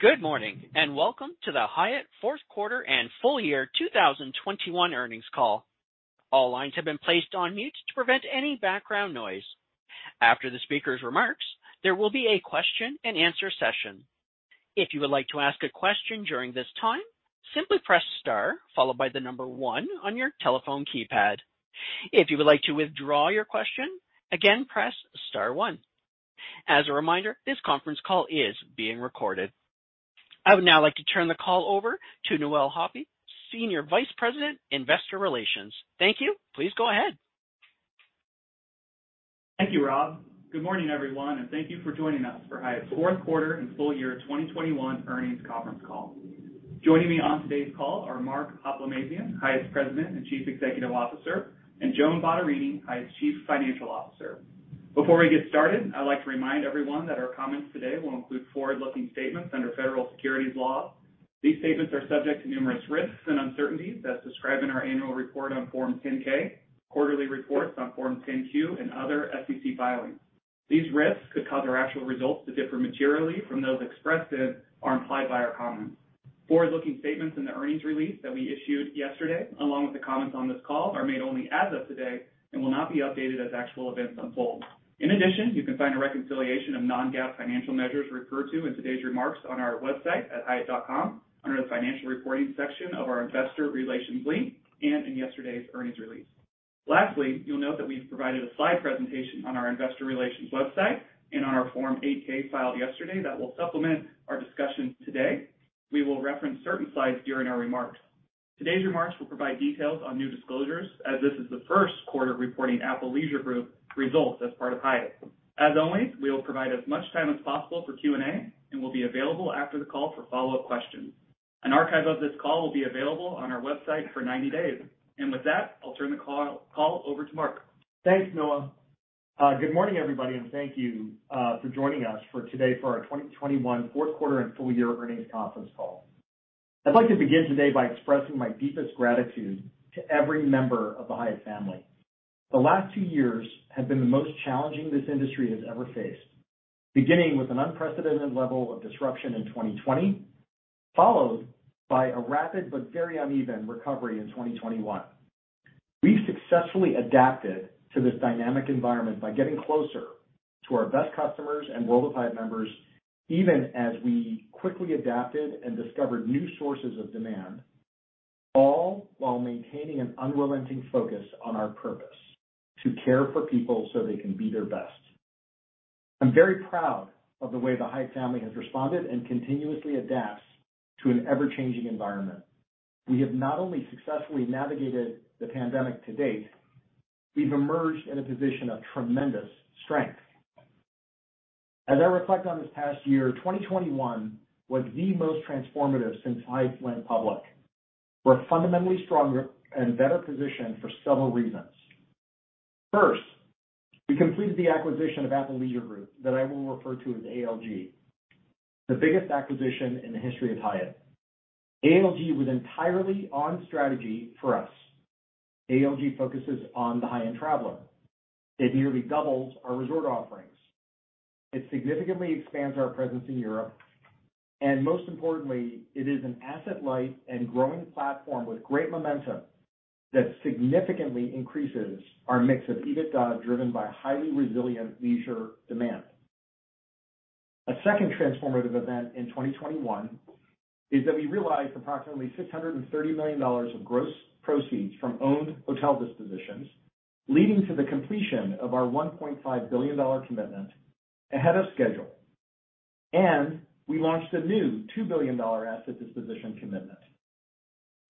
Good morning, and welcome to the Hyatt Q4 and full year 2021 earnings call. All lines have been placed on mute to prevent any background noise. After the speaker's remarks, there will be a question-and-answer session. If you would like to ask a question during this time, simply press star followed by the number one on your telephone keypad. If you would like to withdraw your question, again, press star one. As a reminder, this conference call is being recorded. I would now like to turn the call over to Noah Hoppe, Senior Vice President, Investor Relations. Thank you. Please go ahead. Thank you, Rob. Good morning, everyone, and thank you for joining us for Hyatt's Q4 and full year 2021 earnings conference call. Joining me on today's call are Mark Hoplamazian, Hyatt's President and Chief Executive Officer, and Joan Bottarini, Hyatt's Chief Financial Officer. Before we get started, I'd like to remind everyone that our comments today will include forward-looking statements under federal securities law. These statements are subject to numerous risks and uncertainties as described in our annual report on Form 10-K, quarterly reports on Form 10-Q, and other SEC filings. These risks could cause our actual results to differ materially from those expressed in or implied by our comments. Forward-looking statements in the earnings release that we issued yesterday, along with the comments on this call, are made only as of today and will not be updated as actual events unfold. In addition, you can find a reconciliation of non-GAAP financial measures referred to in today's remarks on our website at hyatt.com under the Financial Reporting section of our Investor Relations link and in yesterday's earnings release. Lastly, you'll note that we've provided a slide presentation on our investor relations website and on our Form 8-K filed yesterday that will supplement our discussion today. We will reference certain slides during our remarks. Today's remarks will provide details on new disclosures, as this is the Q1 reporting Apple Leisure Group results as part of Hyatt. As always, we will provide as much time as possible for Q&A and will be available after the call for follow-up questions. An archive of this call will be available on our website for 90 days. With that, I'll turn the call over to Mark. Thanks, Noah. Good morning, everybody, and thank you for joining us today for our 2021 Q4 and full year earnings conference call. I'd like to begin today by expressing my deepest gratitude to every member of the Hyatt family. The last two years have been the most challenging this industry has ever faced, beginning with an unprecedented level of disruption in 2020, followed by a rapid but very uneven recovery in 2021. We've successfully adapted to this dynamic environment by getting closer to our best customers and World of Hyatt members, even as we quickly adapted and discovered new sources of demand, all while maintaining an unrelenting focus on our purpose, to care for people so they can be their best. I'm very proud of the way the Hyatt family has responded and continuously adapts to an ever-changing environment. We have not only successfully navigated the pandemic to date, we've emerged in a position of tremendous strength. As I reflect on this past year, 2021 was the most transformative since Hyatt went public. We're fundamentally stronger and better positioned for several reasons. First, we completed the acquisition of Apple Leisure Group that I will refer to as ALG, the biggest acquisition in the history of Hyatt. ALG was entirely on strategy for us. ALG focuses on the high-end traveler. It nearly doubles our resort offerings. It significantly expands our presence in Europe. Most importantly, it is an asset-light and growing platform with great momentum that significantly increases our mix of EBITDA, driven by highly resilient leisure demand. A second transformative event in 2021 is that we realized approximately $630 million of gross proceeds from owned hotel dispositions, leading to the completion of our $1.5 billion commitment ahead of schedule. We launched a new $2 billion asset disposition commitment.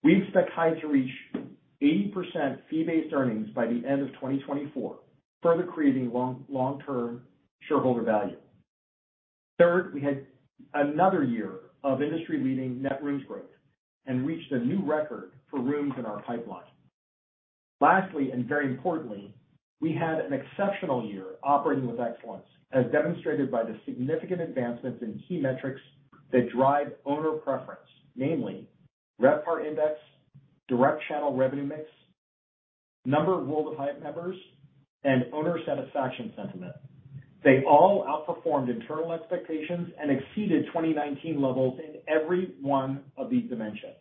We expect Hyatt to reach 80% fee-based earnings by the end of 2024, further creating long-term shareholder value. Third, we had another year of industry-leading net rooms growth and reached a new record for rooms in our pipeline. Lastly, and very importantly, we had an exceptional year operating with excellence, as demonstrated by the significant advancements in key metrics that drive owner preference, namely RevPAR index, direct channel revenue mix, number of World of Hyatt members, and owner satisfaction sentiment. They all outperformed internal expectations and exceeded 2019 levels in every one of these dimensions.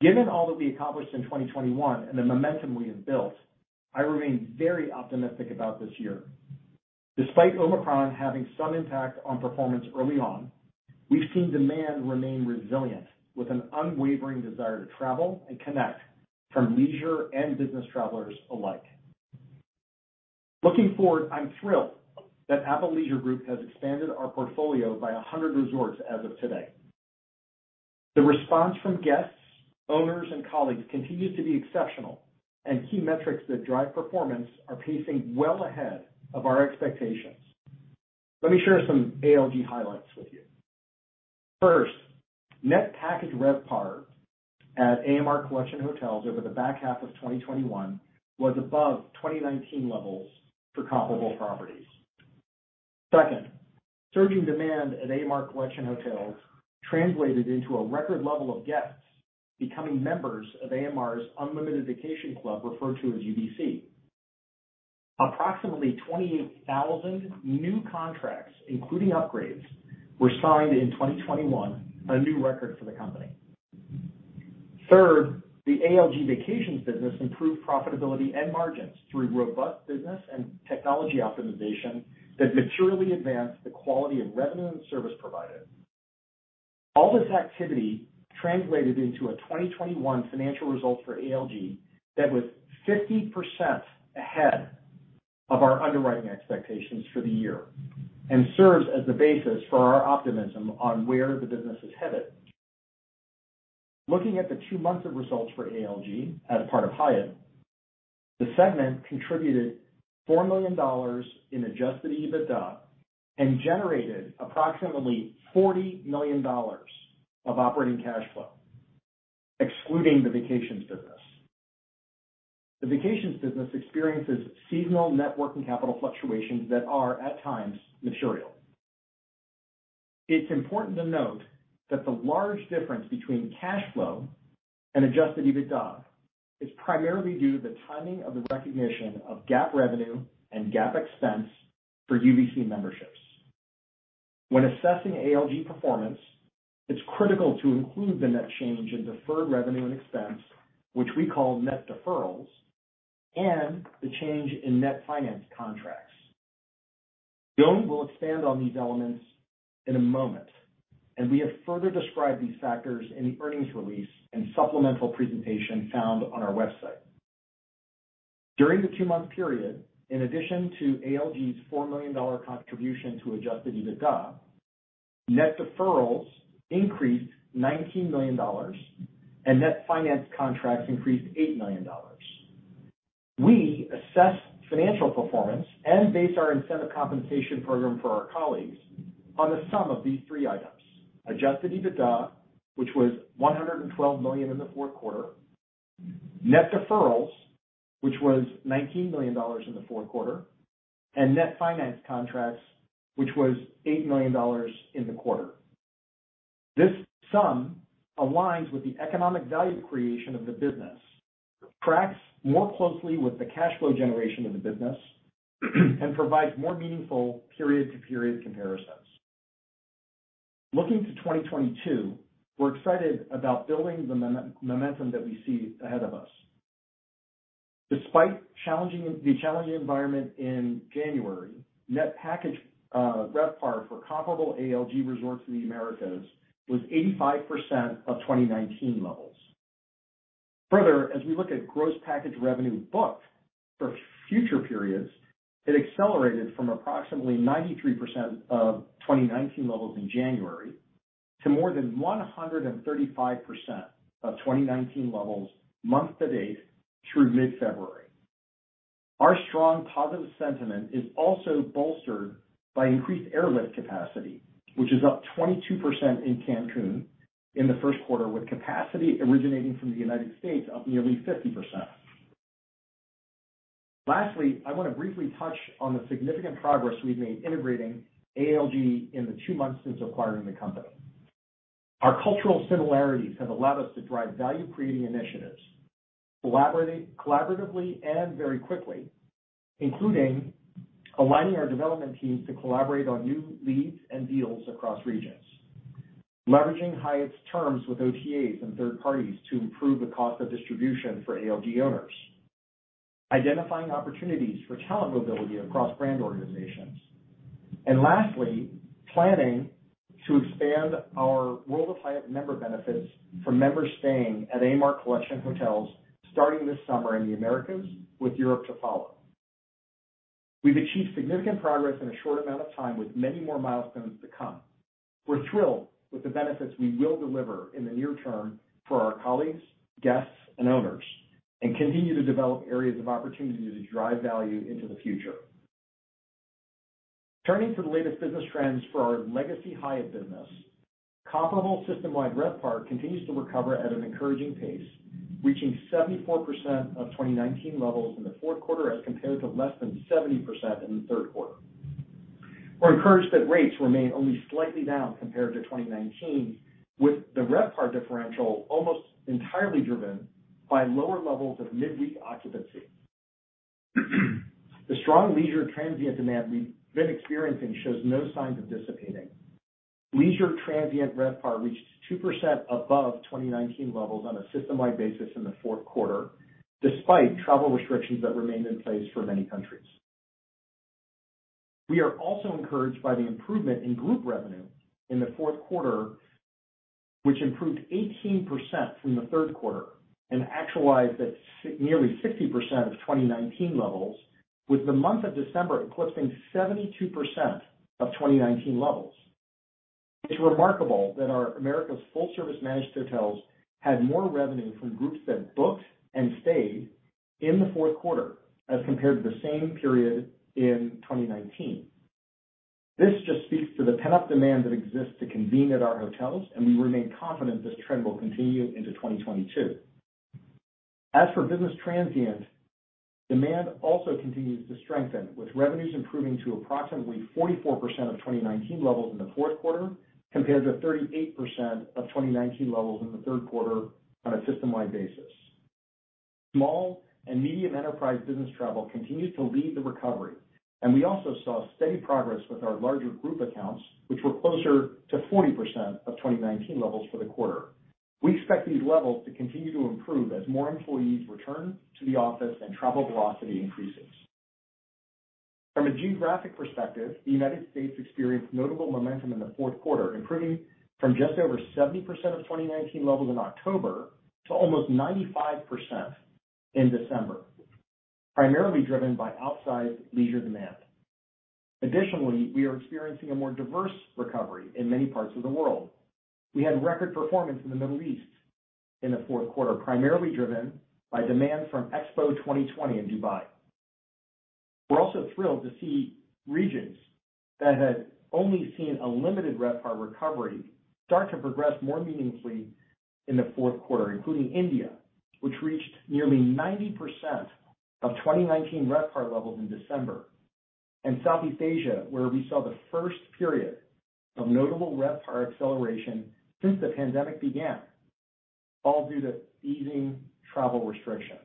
Given all that we accomplished in 2021 and the momentum we have built, I remain very optimistic about this year. Despite Omicron having some impact on performance early on, we've seen demand remain resilient with an unwavering desire to travel and connect from leisure and business travelers alike. Looking forward, I'm thrilled that Apple Leisure Group has expanded our portfolio by 100 resorts as of today. The response from guests, owners, and colleagues continues to be exceptional, and key metrics that drive performance are pacing well ahead of our expectations. Let me share some ALG highlights with you. First, net package RevPAR at AMR Collection hotels over the back half of 2021 was above 2019 levels for comparable properties. Second, surging demand at AMR Collection hotels translated into a record level of guests becoming members of AMR's Unlimited Vacation Club, referred to as UVC. Approximately 28,000 new contracts, including upgrades, were signed in 2021, a new record for the company. Third, the ALG Vacations business improved profitability and margins through robust business and technology optimization that materially advanced the quality of revenue and service provided. All this activity translated into a 2021 financial result for ALG that was 50% ahead of our underwriting expectations for the year, and serves as the basis for our optimism on where the business is headed. Looking at the two months of results for ALG as part of Hyatt, the segment contributed $4 million in Adjusted EBITDA and generated approximately $40 million of operating cash flow, excluding the vacations business. The vacations business experiences seasonal net working capital fluctuations that are at times material. It's important to note that the large difference between cash flow and Adjusted EBITDA is primarily due to the timing of the recognition of GAAP revenue and GAAP expense for UVC memberships. When assessing ALG performance, it's critical to include the net change in deferred revenue and expense, which we call Net Deferrals, and the change in Net Financed Contracts. Joan will expand on these elements in a moment, and we have further described these factors in the earnings release and supplemental presentation found on our website. During the two-month period, in addition to ALG's $4 million contribution to Adjusted EBITDA, Net Deferrals increased $19 million and Net Financed Contracts increased $8 million. We assess financial performance and base our incentive compensation program for our colleagues on the sum of these three items: Adjusted EBITDA, which was $112 million in the Q4, Net Deferrals, which was $19 million in the Q4, and Net Financed Contracts, which was $8 million in the quarter. This sum aligns with the economic value creation of the business, tracks more closely with the cash flow generation of the business, and provides more meaningful period-to-period comparisons. Looking to 2022, we're excited about building the momentum that we see ahead of us. Despite the challenging environment in January, net package RevPAR for comparable ALG resorts in the Americas was 85% of 2019 levels. Further, as we look at gross package revenue booked for future periods, it accelerated from approximately 93% of 2019 levels in January to more than 135% of 2019 levels month to date through mid-February. Our strong positive sentiment is also bolstered by increased airlift capacity, which is up 22% in Cancún in the Q1, with capacity originating from the United States up nearly 50%. Lastly, I want to briefly touch on the significant progress we've made integrating ALG in the two months since acquiring the company. Our cultural similarities have allowed us to drive value-creating initiatives collaboratively and very quickly, including aligning our development teams to collaborate on new leads and deals across regions, leveraging Hyatt's terms with OTAs and third parties to improve the cost of distribution for ALG owners, identifying opportunities for talent mobility across brand organizations. Lastly, we are planning to expand our World of Hyatt member benefits for members staying at AMR Collection hotels starting this summer in the Americas, with Europe to follow. We've achieved significant progress in a short amount of time with many more milestones to come. We're thrilled with the benefits we will deliver in the near term for our colleagues, guests and owners, and continue to develop areas of opportunity to drive value into the future. Turning to the latest business trends for our legacy Hyatt business, comparable systemwide RevPAR continues to recover at an encouraging pace, reaching 74% of 2019 levels in the Q4 as compared to less than 70% in the Q3. We're encouraged that rates remain only slightly down compared to 2019, with the RevPAR differential almost entirely driven by lower levels of midweek occupancy. The strong leisure transient demand we've been experiencing shows no signs of dissipating. Leisure transient RevPAR reached 2% above 2019 levels on a system-wide basis in the Q4, despite travel restrictions that remained in place for many countries. We are also encouraged by the improvement in group revenue in the Q4, which improved 18% from the Q3 and actualized at nearly 60% of 2019 levels, with the month of December eclipsing 72% of 2019 levels. It's remarkable that our Americas full-service managed hotels had more revenue from groups that booked and stayed in the Q4 as compared to the same period in 2019. This just speaks to the pent-up demand that exists to convene at our hotels, and we remain confident this trend will continue into 2022. As for business transient, demand also continues to strengthen, with revenues improving to approximately 44% of 2019 levels in the Q4 compared to 38% of 2019 levels in the Q3 on a system-wide basis. Small and medium enterprise business travel continued to lead the recovery, and we also saw steady progress with our larger group accounts, which were closer to 40% of 2019 levels for the quarter. We expect these levels to continue to improve as more employees return to the office and travel velocity increases. From a geographic perspective, the United States experienced notable momentum in the Q4, improving from just over 70% of 2019 levels in October to almost 95% in December, primarily driven by outsized leisure demand. Additionally, we are experiencing a more diverse recovery in many parts of the world. We had record performance in the Middle East in the Q4, primarily driven by demand from Expo 2020 in Dubai. We're also thrilled to see regions that had only seen a limited RevPAR recovery start to progress more meaningfully in the Q4, including India, which reached nearly 90% of 2019 RevPAR levels in December. Southeast Asia, where we saw the first period of notable RevPAR acceleration since the pandemic began, all due to easing travel restrictions.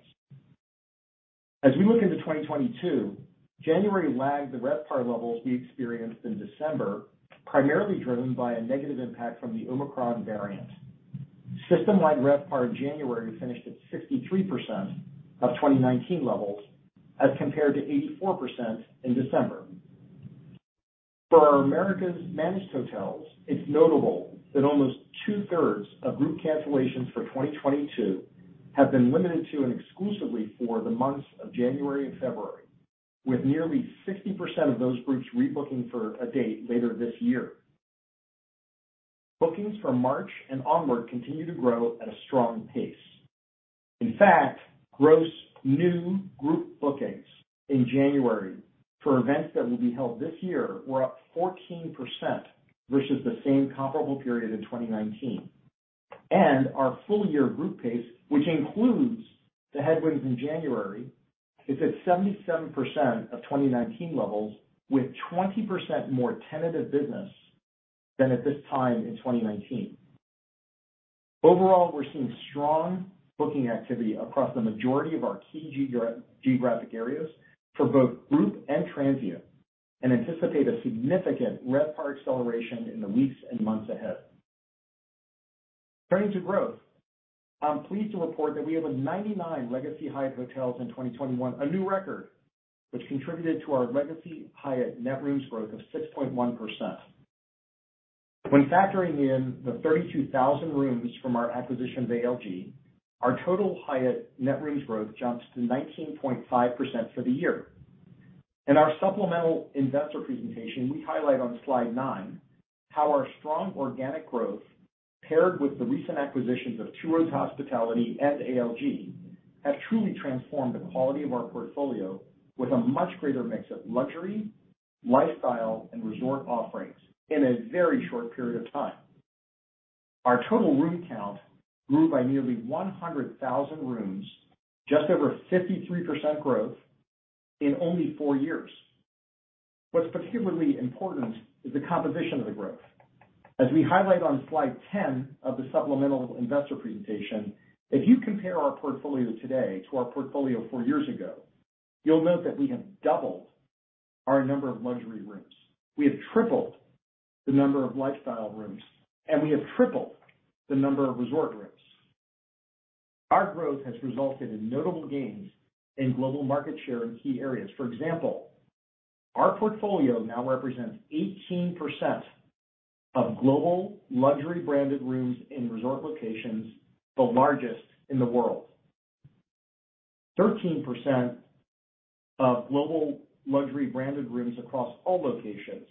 As we look into 2022, January lagged the RevPAR levels we experienced in December, primarily driven by a negative impact from the Omicron variant. System-wide RevPAR in January finished at 63% of 2019 levels as compared to 84% in December. For our Americas managed hotels, it's notable that almost two-thirds of group cancellations for 2022 have been limited to and exclusively for the months of January and February, with nearly 60% of those groups rebooking for a date later this year. Bookings from March and onward continue to grow at a strong pace. In fact, gross new group bookings in January for events that will be held this year were up 14% versus the same comparable period in 2019. Our full year group pace, which includes the headwinds in January, is at 77% of 2019 levels, with 20% more tentative business than at this time in 2019. Overall, we're seeing strong booking activity across the majority of our key geographic areas for both group and transient, and anticipate a significant RevPAR acceleration in the weeks and months ahead. Turning to growth, I'm pleased to report that we have 99 Legacy Hyatt hotels in 2021, a new record, which contributed to our Legacy Hyatt net rooms growth of 6.1%. When factoring in the 32,000 rooms from our acquisition of ALG, our total Hyatt net rooms growth jumps to 19.5% for the year. In our supplemental investor presentation, we highlight on slide nine how our strong organic growth, paired with the recent acquisitions of Two Roads Hospitality and ALG, have truly transformed the quality of our portfolio with a much greater mix of luxury, lifestyle, and resort offerings in a very short period of time. Our total room count grew by nearly 100,000 rooms, just over 53% growth in only four years. What's particularly important is the composition of the growth. As we highlight on slide 10 of the supplemental investor presentation, if you compare our portfolio today to our portfolio four years ago, you'll note that we have doubled our number of luxury rooms. We have tripled the number of lifestyle rooms, and we have tripled the number of resort rooms. Our growth has resulted in notable gains in global market share in key areas. For example, our portfolio now represents 18% of global luxury branded rooms in resort locations, the largest in the world. Thirteen percent of global luxury branded rooms across all locations,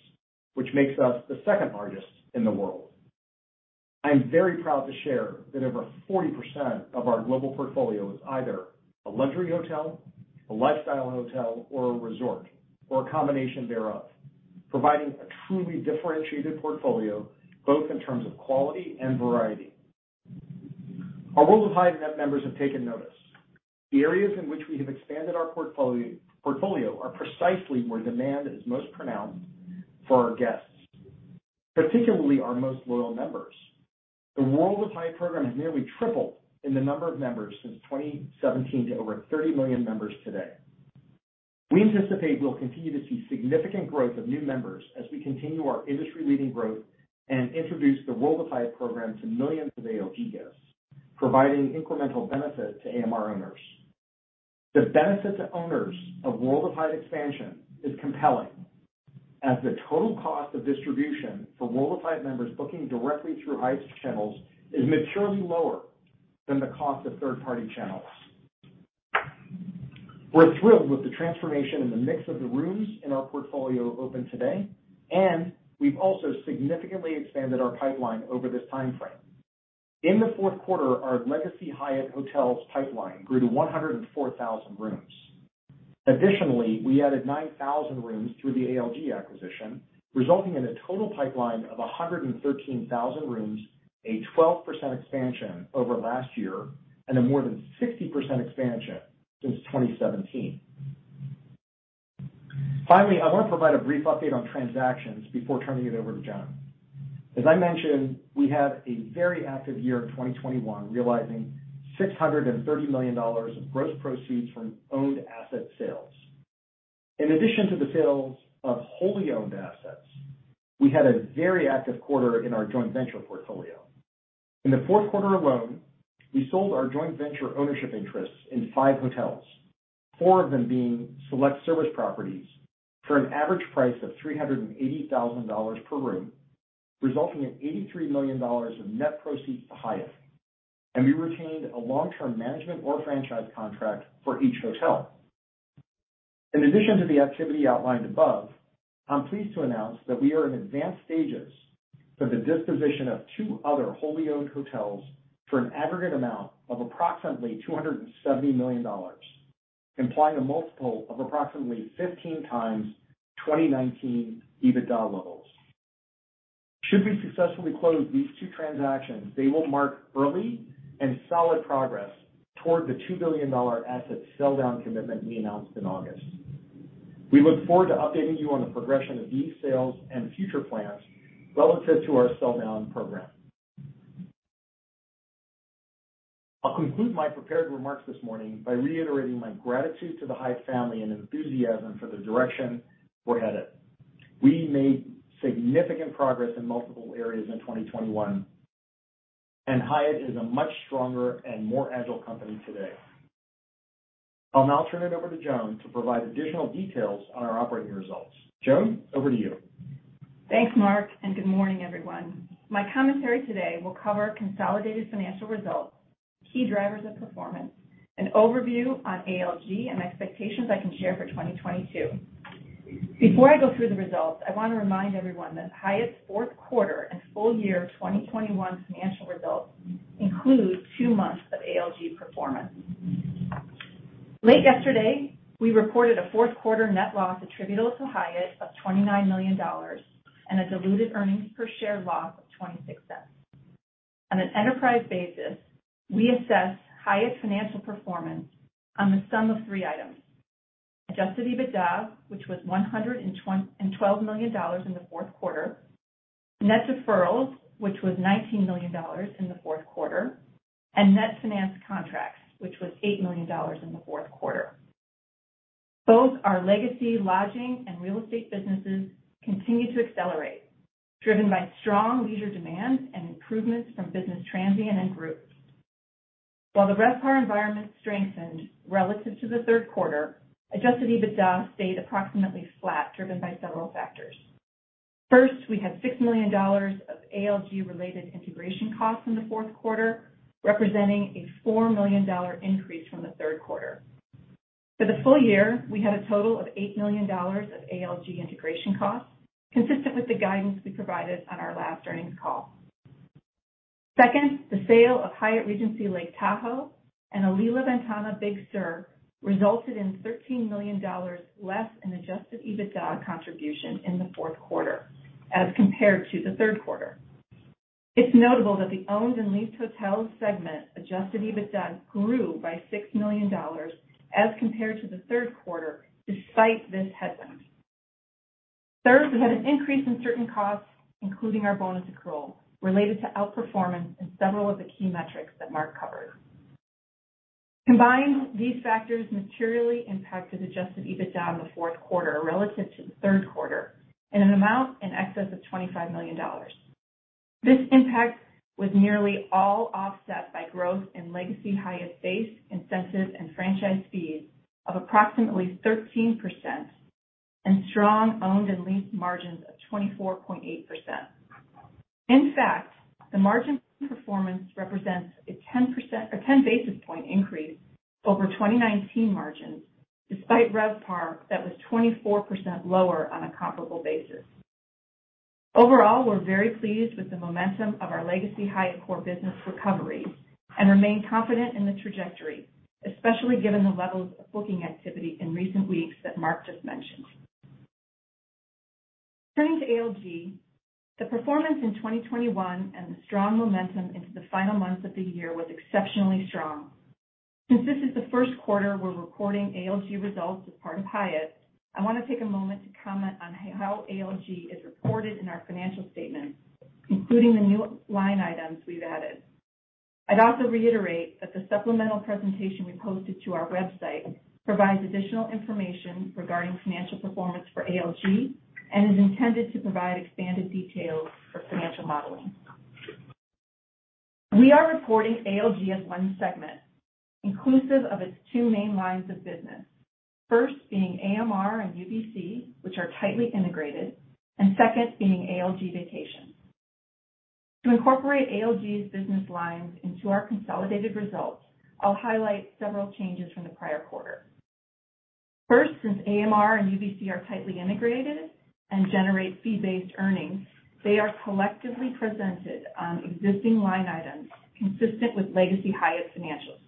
which makes us the second-largest in the world. I am very proud to share that over 40% of our global portfolio is either a luxury hotel, a lifestyle hotel, or a resort, or a combination thereof, providing a truly differentiated portfolio, both in terms of quality and variety. Our World of Hyatt members have taken notice. The areas in which we have expanded our portfolio are precisely where demand is most pronounced for our guests, particularly our most loyal members. The World of Hyatt program has nearly tripled in the number of members since 2017 to over 30 million members today. We anticipate we'll continue to see significant growth of new members as we continue our industry-leading growth and introduce the World of Hyatt program to millions of ALG guests, providing incremental benefit to AMR owners. The benefit to owners of World of Hyatt expansion is compelling as the total cost of distribution for World of Hyatt members booking directly through Hyatt's channels is materially lower than the cost of third-party channels. We're thrilled with the transformation in the mix of the rooms in our portfolio open today, and we've also significantly expanded our pipeline over this time frame. In the Q4, our Legacy Hyatt Hotels pipeline grew to 104,000 rooms. Additionally, we added 9,000 rooms through the ALG acquisition, resulting in a total pipeline of 113,000 rooms, a 12% expansion over last year, and a more than 60% expansion since 2017. I want to provide a brief update on transactions before turning it over to Joan. As I mentioned, we had a very active year in 2021, realizing $630 million of gross proceeds from owned asset sales. In addition to the sales of wholly owned assets, we had a very active quarter in our joint venture portfolio. In the Q4 alone, we sold our joint venture ownership interests in five hotels, four of them being select service properties for an average price of $380,000 per room, resulting in $83 million of net proceeds to Hyatt, and we retained a long-term management or franchise contract for each hotel. In addition to the activity outlined above, I'm pleased to announce that we are in advanced stages for the disposition of two other wholly owned hotels for an aggregate amount of approximately $270 million, implying a multiple of approximately 15x 2019 EBITDA levels. Should we successfully close these two transactions, they will mark early and solid progress toward the $2 billion asset sell down commitment we announced in August. We look forward to updating you on the progression of these sales and future plans relative to our sell down program. I'll conclude my prepared remarks this morning by reiterating my gratitude to the Hyatt family and enthusiasm for the direction we're headed. We made significant progress in multiple areas in 2021, and Hyatt is a much stronger and more agile company today. I'll now turn it over to Joan to provide additional details on our operating results. Joan, over to you. Thanks, Mark, and good morning, everyone. My commentary today will cover consolidated financial results, key drivers of performance, an overview on ALG, and expectations I can share for 2022. Before I go through the results, I want to remind everyone that Hyatt's Q4 and full year 2021 financial results include two months of ALG performance. Late yesterday, we reported a Q4 net loss attributable to Hyatt of $29 million and a diluted earnings per share loss of $0.26. On an enterprise basis, we assess Hyatt's financial performance on the sum of three items, Adjusted EBITDA, which was $112 million in the Q4, Net Deferrals, which was $19 million in the Q4, and Net Financed Contracts, which was $8 million in the Q4. Both our legacy lodging and real estate businesses continued to accelerate, driven by strong leisure demand and improvements from business transient and groups. While the RevPAR environment strengthened relative to the Q3, Adjusted EBITDA stayed approximately flat, driven by several factors. First, we had $6 million of ALG related integration costs in the Q4, representing a $4 million increase from the Q3. For the full year, we had a total of $8 million of ALG integration costs, consistent with the guidance we provided on our last earnings call. Second, the sale of Hyatt Regency Lake Tahoe and Alila Ventana Big Sur resulted in $13 million less in Adjusted EBITDA contribution in the Q4 as compared to the Q3. It's notable that the owned and leased hotel segment Adjusted EBITDA grew by $6 million as compared to the Q3, despite this headwind. Third, we had an increase in certain costs, including our bonus accrual related to outperformance in several of the key metrics that Mark covered. Combined, these factors materially impacted Adjusted EBITDA in the Q4 relative to the Q3 in an amount in excess of $25 million. This impact was nearly all offset by growth in Legacy Hyatt base, incentives, and franchise fees of approximately 13% and strong owned and leased margins of 24.8%. In fact, the margin performance represents a 10 basis point increase over 2019 margins, despite RevPAR that was 24% lower on a comparable basis. Overall, we're very pleased with the momentum of our Legacy Hyatt core business recovery and remain confident in the trajectory, especially given the levels of booking activity in recent weeks that Mark just mentioned. Turning to ALG, the performance in 2021 and the strong momentum into the final months of the year was exceptionally strong. Since this is the Q1 we're recording ALG results as part of Hyatt, I want to take a moment to comment on how ALG is reported in our financial statements, including the new line items we've added. I'd also reiterate that the supplemental presentation we posted to our website provides additional information regarding financial performance for ALG and is intended to provide expanded details for financial modeling. We are reporting ALG as one segment, inclusive of its two main lines of business. First being AMR and UVC, which are tightly integrated, and second being ALG Vacations. To incorporate ALG's business lines into our consolidated results, I'll highlight several changes from the prior quarter. First, since AMR and UVC are tightly integrated and generate fee-based earnings, they are collectively presented on existing line items consistent with Legacy Hyatt financials.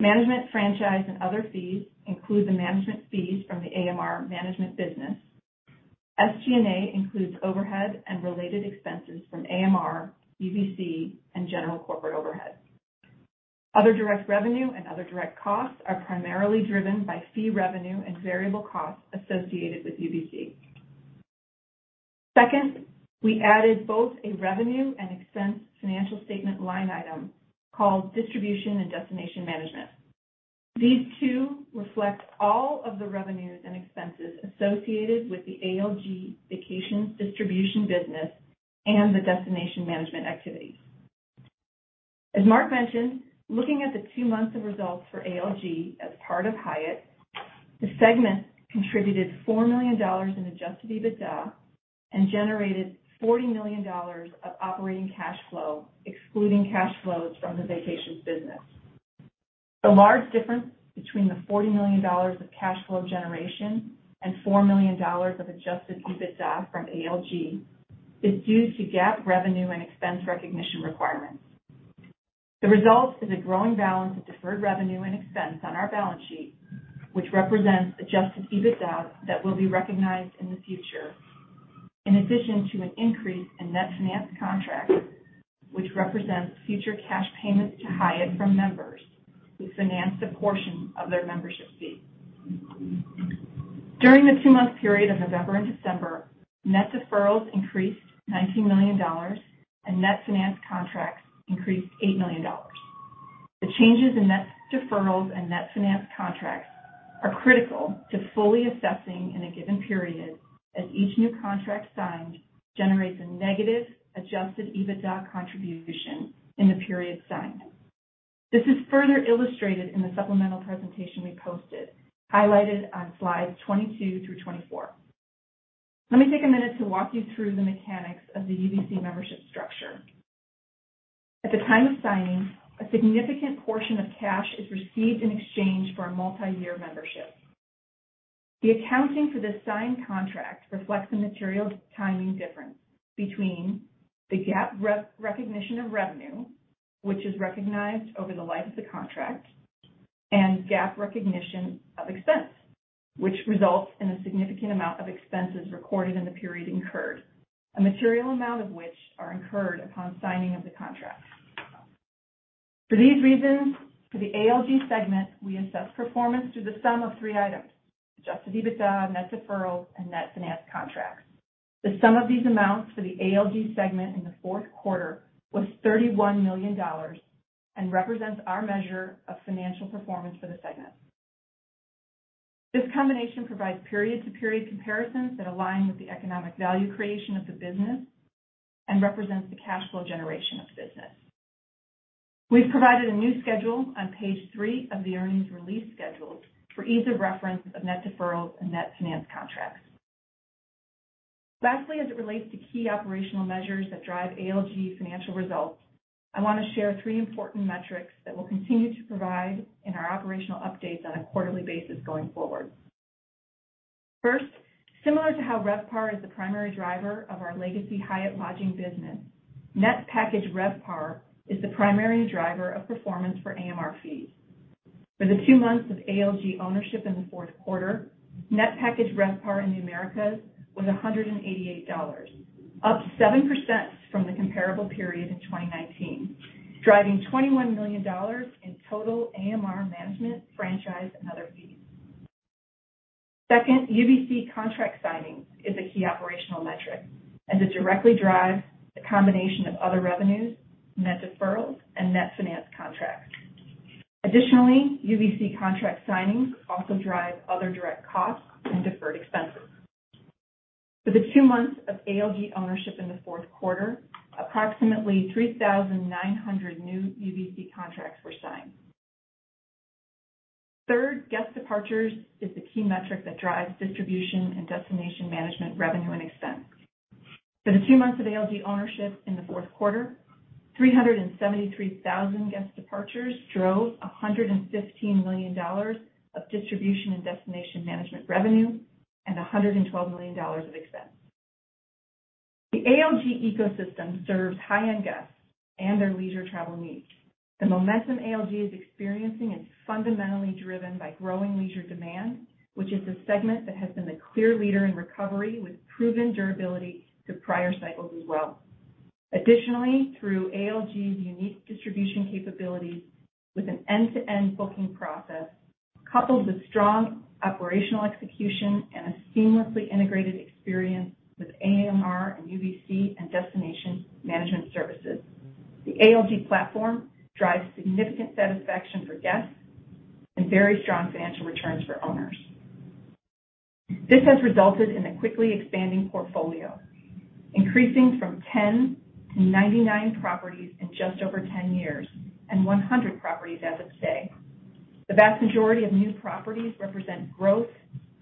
Management, franchise, and other fees include the management fees from the AMR management business. SG&A includes overhead and related expenses from AMR, UVC, and general corporate overhead. Other direct revenue and other direct costs are primarily driven by fee revenue and variable costs associated with UVC. Second, we added both a revenue and expense financial statement line item called Distribution and Destination Management. These two reflect all of the revenues and expenses associated with the ALG Vacations distribution business and the destination management activities. As Mark mentioned, looking at the two months of results for ALG as part of Hyatt, the segment contributed $4 million in Adjusted EBITDA and generated $40 million of operating cash flow, excluding cash flows from the vacations business. The large difference between the $40 million of cash flow generation and $4 million of Adjusted EBITDA from ALG is due to GAAP revenue and expense recognition requirements. The result is a growing balance of deferred revenue and expense on our balance sheet, which represents Adjusted EBITDA that will be recognized in the future, in addition to an increase in Net Financed Contracts, which represents future cash payments to Hyatt from members who financed a portion of their membership fee. During the two-month period of November and December, Net Deferrals increased $19 million, and Net Financed Contracts increased $8 million. The changes in Net Deferrals and Net Financed Contracts are critical to fully assessing in a given period as each new contract signed generates a negative Adjusted EBITDA contribution in the period signed. This is further illustrated in the supplemental presentation we posted, highlighted on slides 22 through 24. Let me take a minute to walk you through the mechanics of the UVC membership structure. At the time of signing, a significant portion of cash is received in exchange for a multi-year membership. The accounting for the signed contract reflects the material timing difference between the GAAP recognition of revenue, which is recognized over the life of the contract, and GAAP recognition of expense, which results in a significant amount of expenses recorded in the period incurred, a material amount of which are incurred upon signing of the contract. For these reasons, for the ALG segment, we assess performance through the sum of three items, Adjusted EBITDA, Net Deferrals, and Net Financed Contracts. The sum of these amounts for the ALG segment in the Q4 was $31 million and represents our measure of financial performance for the segment. This combination provides period-to-period comparisons that align with the economic value creation of the business and represents the cash flow generation of the business. We've provided a new schedule on page three of the earnings release schedules for ease of reference of Net Deferrals and Net Financed Contracts. Lastly, as it relates to key operational measures that drive ALG financial results, I want to share three important metrics that we'll continue to provide in our operational updates on a quarterly basis going forward. First, similar to how RevPAR is the primary driver of our legacy Hyatt lodging business, net package RevPAR is the primary driver of performance for AMR fees. For the two months of ALG ownership in the Q4, net package RevPAR in the Americas was $188, up 7% from the comparable period in 2019, driving $21 million in total AMR management, franchise, and other fees. Second, UVC contract signings is a key operational metric, as it directly drives the combination of other revenues, Net Deferrals, and Net Financed Contracts. Additionally, UVC contract signings also drive other direct costs and deferred expenses. For the two months of ALG ownership in the Q4, approximately 3,900 new UVC contracts were signed. Third, guest departures is the key metric that drives Distribution and Destination Management revenue and expense. For the two months of ALG ownership in the Q4, 373,000 guest departures drove $115 million of distribution and destination management revenue and $112 million of expense. The ALG ecosystem serves high-end guests and their leisure travel needs. The momentum ALG is experiencing is fundamentally driven by growing leisure demand, which is the segment that has been the clear leader in recovery, with proven durability through prior cycles as well. Additionally, through ALG's unique distribution capabilities with an end-to-end booking process coupled with strong operational execution and a seamlessly integrated experience with AMR and UVC and destination management services, the ALG platform drives significant satisfaction for guests and very strong financial returns for owners. This has resulted in a quickly expanding portfolio, increasing from 10 to 99 properties in just over 10 years, and 100 properties as of today. The vast majority of new properties represent growth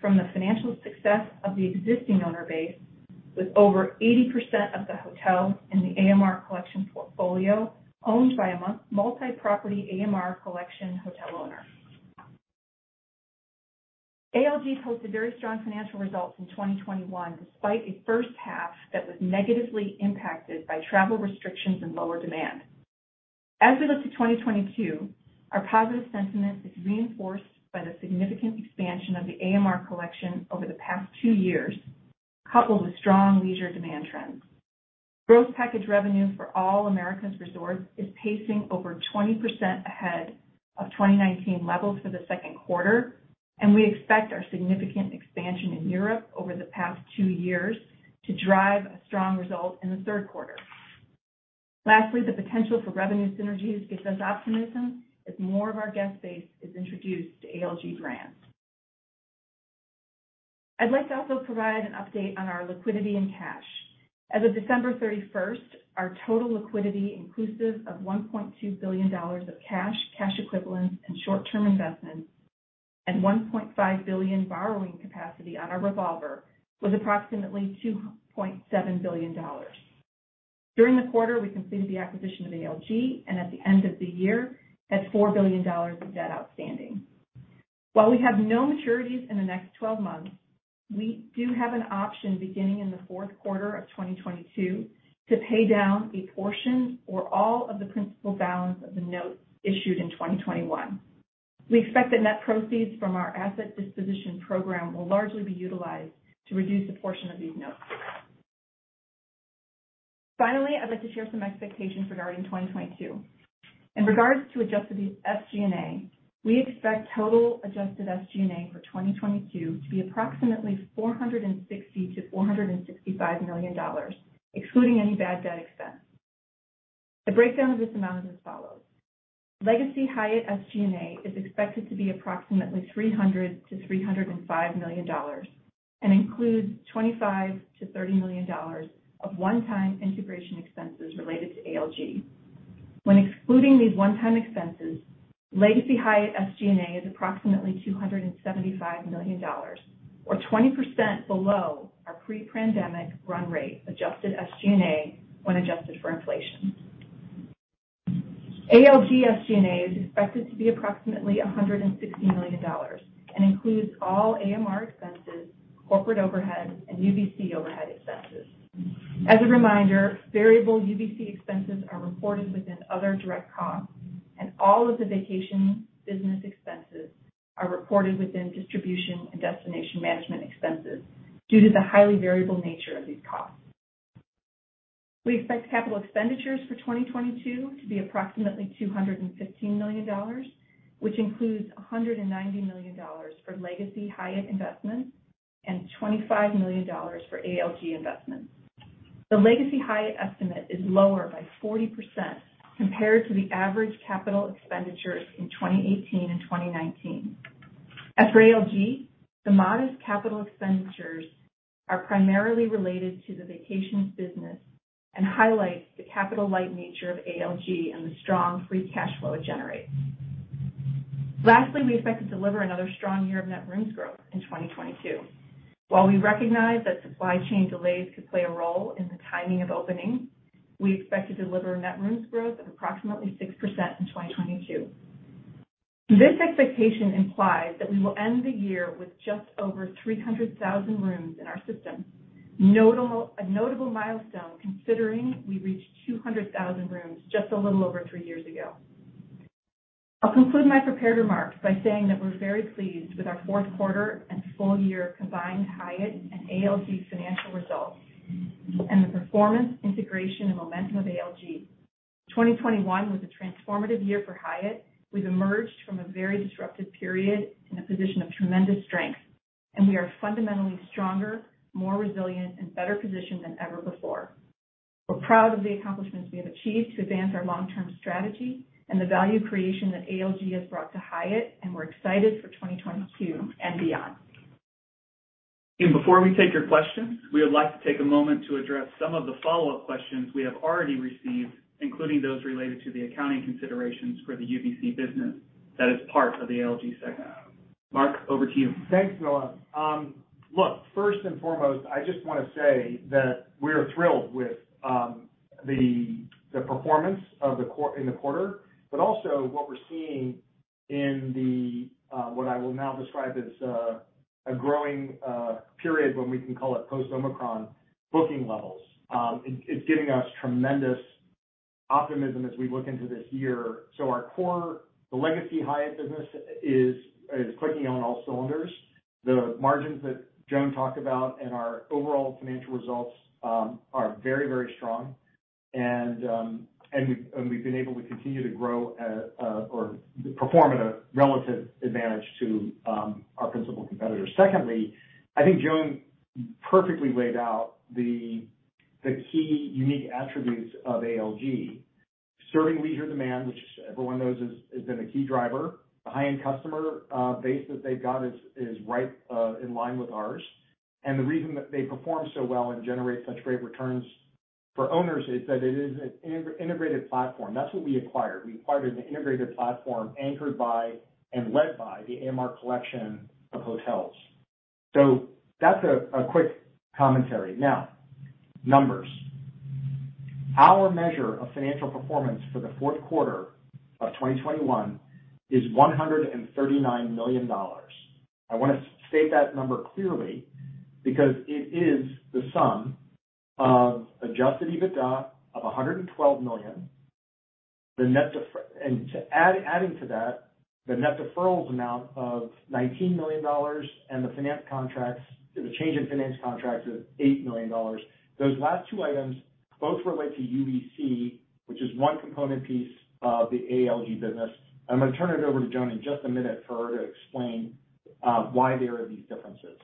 from the financial success of the existing owner base, with over 80% of the hotels in the AMR Collection portfolio owned by a multi-property AMR Collection hotel owner. ALG posted very strong financial results in 2021, despite a H1 that was negatively impacted by travel restrictions and lower demand. As we look to 2022, our positive sentiment is reinforced by the significant expansion of the AMR Collection over the past two years, coupled with strong leisure demand trends. Growth package revenue for all Americas resorts is pacing over 20% ahead of 2019 levels for the Q2, and we expect our significant expansion in Europe over the past two years to drive a strong result in the Q3. Lastly, the potential for revenue synergies gives us optimism as more of our guest base is introduced to ALG brands. I'd like to also provide an update on our liquidity and cash. As of December 31st, our total liquidity, inclusive of $1.2 billion of cash equivalents, and short-term investments, and $1.5 billion borrowing capacity on our revolver, was approximately $2.7 billion. During the quarter, we completed the acquisition of ALG, and at the end of the year, had $4 billion of debt outstanding. While we have no maturities in the next 12 months, we do have an option beginning in the Q4 of 2022 to pay down a portion or all of the principal balance of the notes issued in 2021. We expect the net proceeds from our asset disposition program will largely be utilized to reduce a portion of these notes. Finally, I'd like to share some expectations regarding 2022. In regards to adjusted SG&A, we expect total adjusted SG&A for 2022 to be approximately $460 million-$465 million, excluding any bad debt expense. The breakdown of this amount is as follows: Legacy Hyatt SG&A is expected to be approximately $300 million-$305 million and includes $25 million-$30 million of one-time integration expenses related to ALG. When excluding these one-time expenses, Legacy Hyatt SG&A is approximately $275 million or 20% below our pre-pandemic run rate adjusted SG&A when adjusted for inflation. ALG SG&A is expected to be approximately $160 million and includes all AMR expenses, corporate overhead, and UVC overhead expenses. As a reminder, variable UVC expenses are reported within other direct costs, and all of the vacations business expenses are reported within Distribution and Destination Management expenses due to the highly variable nature of these costs. We expect capital expenditures for 2022 to be approximately $215 million, which includes $190 million for Legacy Hyatt investments and $25 million for ALG investments. The Legacy Hyatt estimate is lower by 40% compared to the average capital expenditures in 2018 and 2019. As for ALG, the modest capital expenditures are primarily related to the vacations business and highlights the capital light nature of ALG and the strong free cash flow it generates. We expect to deliver another strong year of net rooms growth in 2022. While we recognize that supply chain delays could play a role in the timing of opening, we expect to deliver net rooms growth of approximately 6% in 2022. This expectation implies that we will end the year with just over 300,000 rooms in our system. A notable milestone considering we reached 200,000 rooms just a little over three years ago. I'll conclude my prepared remarks by saying that we're very pleased with our Q4 and full year combined Hyatt and ALG financial results and the performance, integration, and momentum of ALG. 2021 was a transformative year for Hyatt. We've emerged from a very disruptive period in a position of tremendous strength, and we are fundamentally stronger, more resilient, and better positioned than ever before. We're proud of the accomplishments we have achieved to advance our long-term strategy and the value creation that ALG has brought to Hyatt, and we're excited for 2022 and beyond. Before we take your questions, we would like to take a moment to address some of the follow-up questions we have already received, including those related to the accounting considerations for the UVC business that is part of the ALG segment. Mark, over to you. Thanks, Noah. Look, first and foremost, I just wanna say that we're thrilled with the performance in the quarter, but also what we're seeing in what I will now describe as a growing period when we can call it post Omicron booking levels. It's giving us tremendous optimism as we look into this year. Our core, the Legacy Hyatt business is clicking on all cylinders. The margins that Joan talked about and our overall financial results are very strong. We've been able to continue to grow or perform at a relative advantage to our principal competitors. Secondly, I think Joan perfectly laid out the key unique attributes of ALG, serving leisure demand, which everyone knows has been a key driver. The high-end customer base that they've got is right in line with ours. The reason that they perform so well and generate such great returns for owners is that it is an integrated platform. That's what we acquired. We acquired an integrated platform anchored by and led by the AMR Collection of hotels. That's a quick commentary. Now, numbers. Our measure of financial performance for the Q4 of 2021 is $139 million. I want to state that number clearly because it is the sum of Adjusted EBITDA of $112 million. Adding to that, the Net Deferrals amount of $19 million and the change in net financed contracts is $8 million. Those last two items both relate to UVC, which is one component piece of the ALG business. I'm gonna turn it over to Joan in just a minute for her to explain why there are these differences.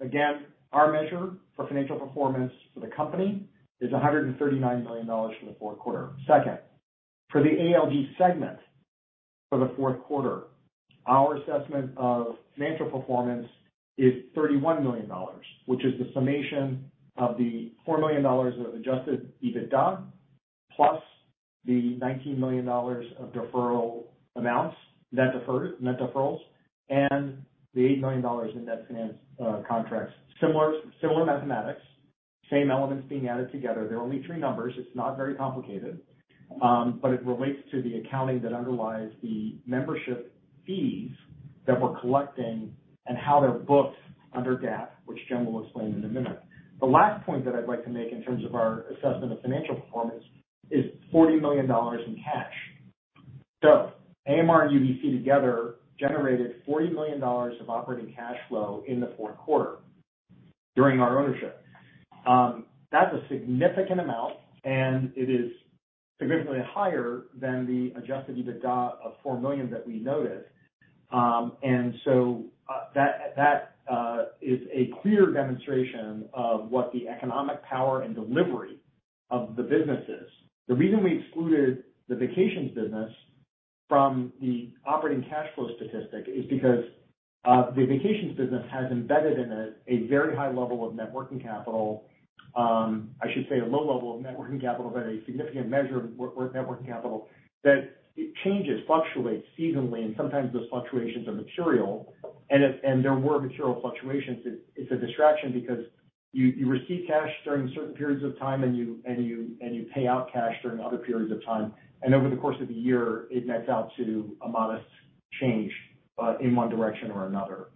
Again, our measure for financial performance for the company is $139 million for the Q4. Second, for the ALG segment for the Q4, our assessment of financial performance is $31 million, which is the summation of the $4 million of Adjusted EBITDA plus the $19 million of deferral amounts, Net Deferrals, and the $8 million in net financed contracts. Similar mathematics, same elements being added together. There are only three numbers. It's not very complicated, but it relates to the accounting that underlies the membership fees that we're collecting and how they're booked under GAAP, which Joan will explain in a minute. The last point that I'd like to make in terms of our assessment of financial performance is $40 million in cash. AMR and UVC together generated $40 million of operating cash flow in the Q4 during our ownership. That's a significant amount, and it is significantly higher than the Adjusted EBITDA of $4 million that we noted. That is a clear demonstration of what the economic power and delivery of the business is. The reason we excluded the vacations business from the operating cash flow statistic is because the vacations business has embedded in it a very high level of net working capital. I should say a low level of net working capital, but a significant measure of working net working capital that it changes, fluctuates seasonally, and sometimes those fluctuations are material. If there were material fluctuations, it's a distraction because you receive cash during certain periods of time, and you pay out cash during other periods of time. Over the course of the year, it nets out to a modest change in one direction or another.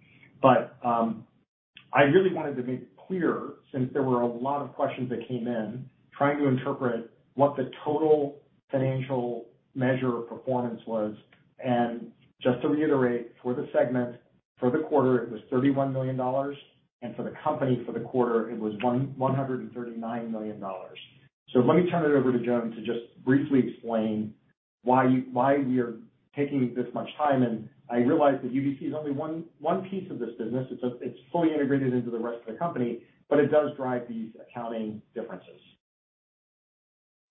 I really wanted to make clear, since there were a lot of questions that came in trying to interpret what the total financial measure of performance was. Just to reiterate, for the segment, for the quarter, it was $31 million, and for the company, for the quarter it was $139 million. So let me turn it over to Joan to just briefly explain why you, why we're taking this much time. I realize that UVC is only one piece of this business. It's fully integrated into the rest of the company, but it does drive these accounting differences.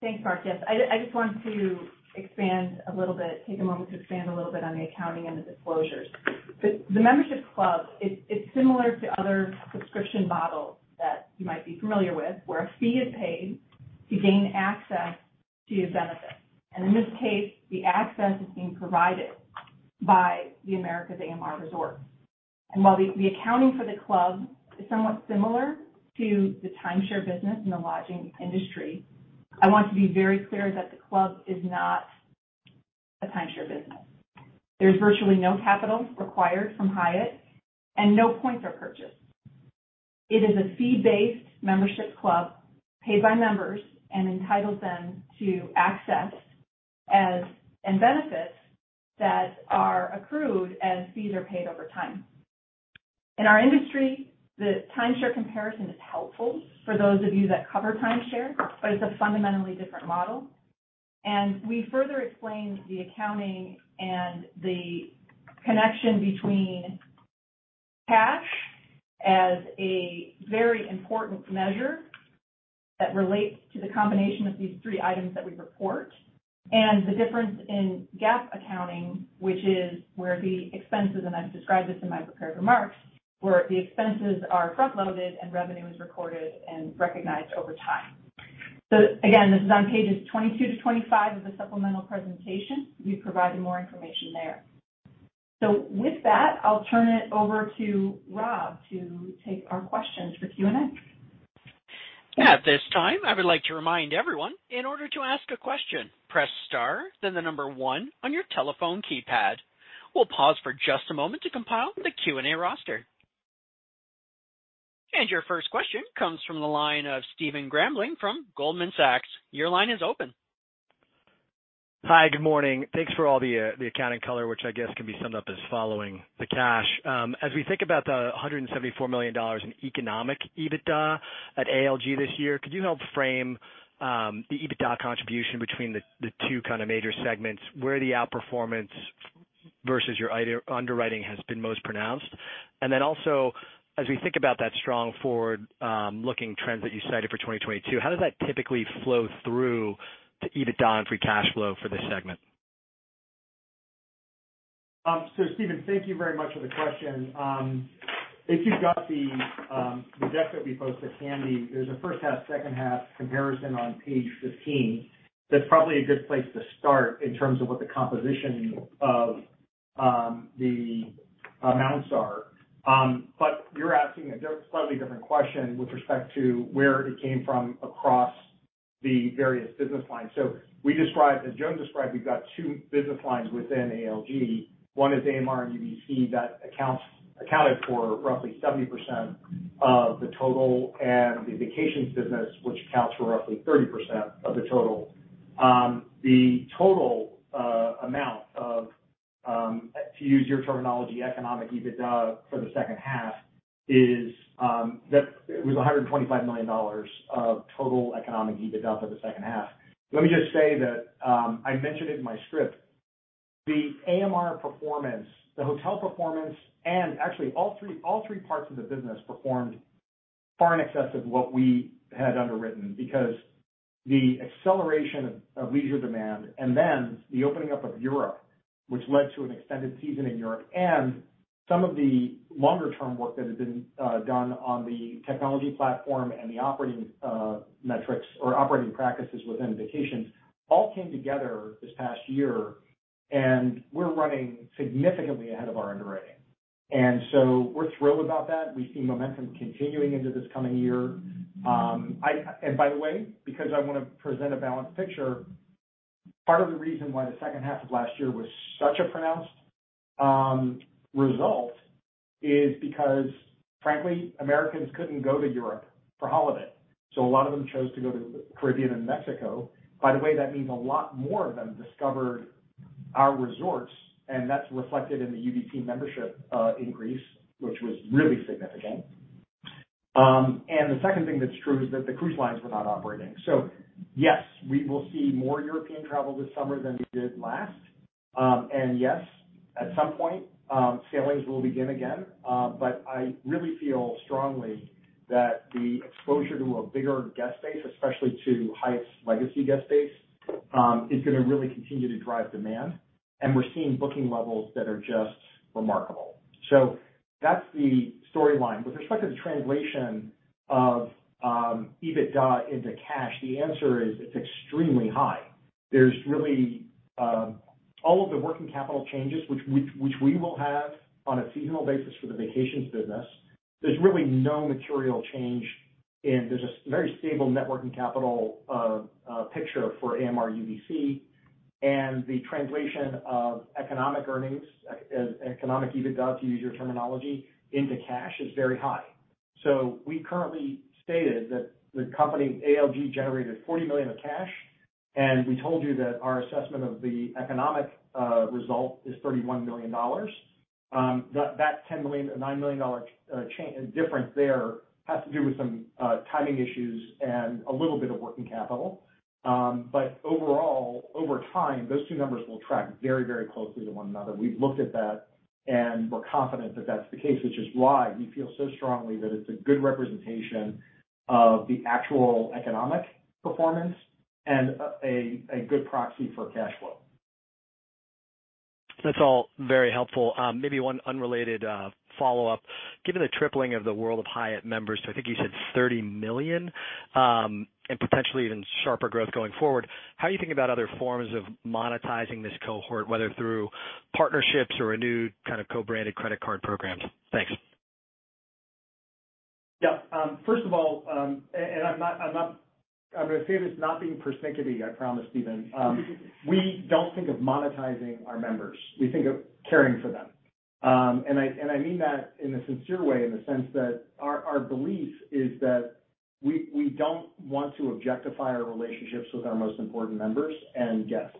Thanks, Mark. Yes. I just wanted to expand a little bit, take a moment to expand a little bit on the accounting and the disclosures. The membership club. It's similar to other subscription models that you might be familiar with, where a fee is paid to gain access to a benefit. In this case, the access is being provided by the AMR resorts. While the accounting for the club is somewhat similar to the timeshare business in the lodging industry, I want to be very clear that the club is not a timeshare business. There's virtually no capital required from Hyatt and no points are purchased. It is a fee-based membership club paid by members and entitles them to access and benefits that are accrued as fees are paid over time. In our industry, the timeshare comparison is helpful for those of you that cover timeshare, but it's a fundamentally different model. We further explained the accounting and the connection between cash as a very important measure that relates to the combination of these three items that we report and the difference in GAAP accounting, which is where the expenses, and I've described this in my prepared remarks, where the expenses are front-loaded and revenue is recorded and recognized over time. Again, this is on pages 22-25 of the supplemental presentation. We've provided more information there. With that, I'll turn it over to Rob to take our questions for Q&A. At this time, I would like to remind everyone in order to ask a question, press star, then the number one on your telephone keypad. We'll pause for just a moment to compile the Q&A roster. Your first question comes from the line of Stephen Grambling from Goldman Sachs. Your line is open. Hi. Good morning. Thanks for all the accounting color, which I guess can be summed up as following the cash. As we think about the $174 million in economic EBITDA at ALG this year, could you help frame the EBITDA contribution between the two kinda major segments where the outperformance versus your initial underwriting has been most pronounced? Then also as we think about that strong forward-looking trends that you cited for 2022, how does that typically flow through to EBITDA and free cash flow for this segment? Stephen, thank you very much for the question. If you've got the deck that we posted handy, there's a H1, H2 comparison on page 15. That's probably a good place to start in terms of what the composition of the amounts are. You're asking a slightly different question with respect to where it came from across the various business lines. We described, as Joan described, we've got two business lines within ALG. One is AMR and UVC. That accounted for roughly 70% of the total and the vacations business, which accounts for roughly 30% of the total. The total amount of, to use your terminology, economic EBITDA for the H2 is that it was $125 million of total economic EBITDA for the H2. Let me just say that I mentioned it in my script, the AMR performance, the hotel performance, and actually all three parts of the business performed far in excess of what we had underwritten because the acceleration of leisure demand and then the opening up of Europe, which led to an extended season in Europe and some of the longer term work that had been done on the technology platform and the operating metrics or operating practices within vacations all came together this past year, and we're running significantly ahead of our underwriting. We're thrilled about that. We see momentum continuing into this coming year. By the way, because I wanna present a balanced picture, part of the reason why the H2 of last year was such a pronounced result is because, frankly, Americans couldn't go to Europe for holiday, so a lot of them chose to go to the Caribbean and Mexico. By the way, that means a lot more of them discovered our resorts, and that's reflected in the UVC membership increase, which was really significant. The second thing that's true is that the cruise lines were not operating. Yes, we will see more European travel this summer than we did last. Yes, at some point, sailings will begin again. I really feel strongly that the exposure to a bigger guest base, especially to Hyatt's legacy guest base, is gonna really continue to drive demand. We're seeing booking levels that are just remarkable. That's the storyline. With respect to the translation of EBITDA into cash, the answer is it's extremely high. There's really all of the working capital changes which we will have on a seasonal basis for the vacations business, there's really no material change, and there's a very stable net working capital picture for AMR UVC. The translation of economic earnings, economic EBITDA, to use your terminology, into cash is very high. We currently stated that the company ALG generated $40 million of cash, and we told you that our assessment of the economic result is $31 million. That $10 million or $9 million difference there has to do with some timing issues and a little bit of working capital. Overall, over time, those two numbers will track very, very closely to one another. We've looked at that, and we're confident that that's the case, which is why we feel so strongly that it's a good representation of the actual economic performance and a good proxy for cash flow. That's all very helpful. Maybe one unrelated follow-up. Given the tripling of the World of Hyatt members to, I think you said 30 million, and potentially even sharper growth going forward, how are you thinking about other forms of monetizing this cohort, whether through partnerships or a new kind of co-branded credit card programs? Thanks. Yeah. First of all, I'm gonna say this not being persnickety, I promise, Stephen. We don't think of monetizing our members. We think of caring for them. I mean that in a sincere way, in the sense that our belief is that we don't want to objectify our relationships with our most important members and guests.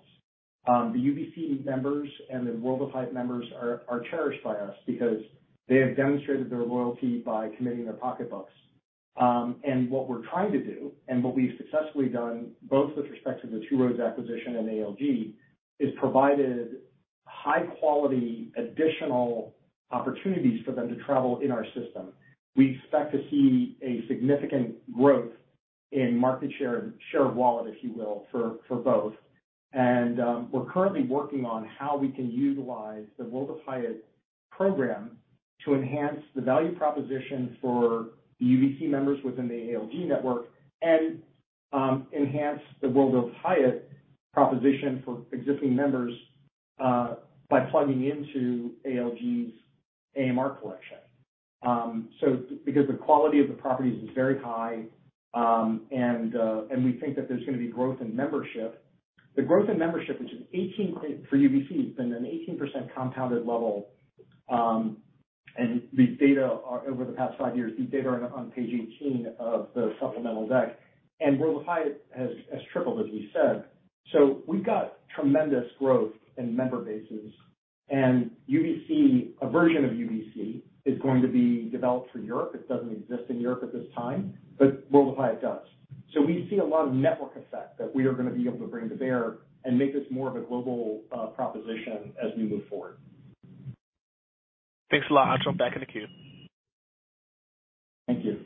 The UVC members and the World of Hyatt members are cherished by us because they have demonstrated their loyalty by committing their pocketbooks. What we're trying to do and what we've successfully done, both with respect to the Two Roads acquisition and ALG, is provided high quality additional opportunities for them to travel in our system. We expect to see a significant growth in market share of wallet, if you will, for both. We're currently working on how we can utilize the World of Hyatt program to enhance the value proposition for the UVC members within the ALG network and enhance the World of Hyatt proposition for existing members by plugging into ALG's AMR Collection. Because the quality of the properties is very high and we think that there's gonna be growth in membership. The growth in membership for UVC, it's been an 18% compounded level and the data are over the past five years on page 18 of the supplemental deck. World of Hyatt has tripled, as we said. We've got tremendous growth in member bases. UVC, a version of UVC is going to be developed for Europe. It doesn't exist in Europe at this time, but World of Hyatt does. We see a lot of network effect that we are gonna be able to bring to bear and make this more of a global proposition as we move forward. Thanks a lot. I'll jump back in the queue. Thank you.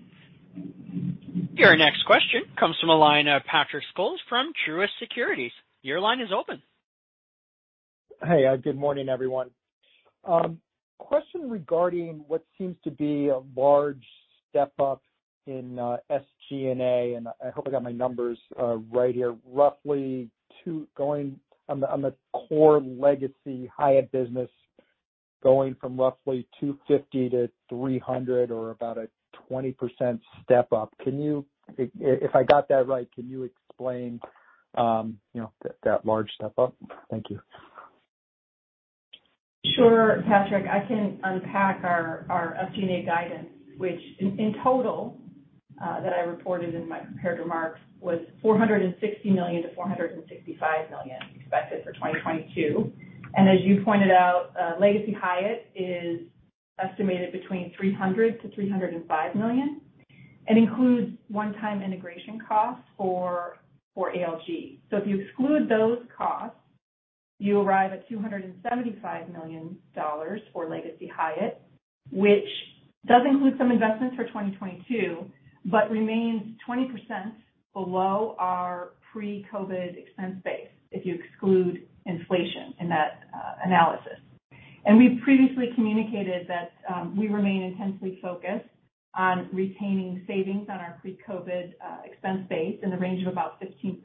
Your next question comes from the line of Patrick Scholes from Truist Securities. Your line is open. Hey, good morning, everyone. Question regarding what seems to be a large step up in SG&A, and I hope I got my numbers right here. Going on the core legacy Hyatt business, going from roughly $250-$300 or about a 20% step up. If I got that right, can you explain, you know, that large step up? Thank you. Sure, Patrick, I can unpack our SG&A guidance, which in total that I reported in my prepared remarks, was $460 million-$465 million expected for 2022. As you pointed out, legacy Hyatt is estimated between $300 million-$305 million. It includes one-time integration costs for ALG. If you exclude those costs, you arrive at $275 million for legacy Hyatt, which does include some investments for 2022, but remains 20% below our pre-COVID expense base, if you exclude inflation in that analysis. We've previously communicated that we remain intensely focused on retaining savings on our pre-COVID expense base in the range of about 15%.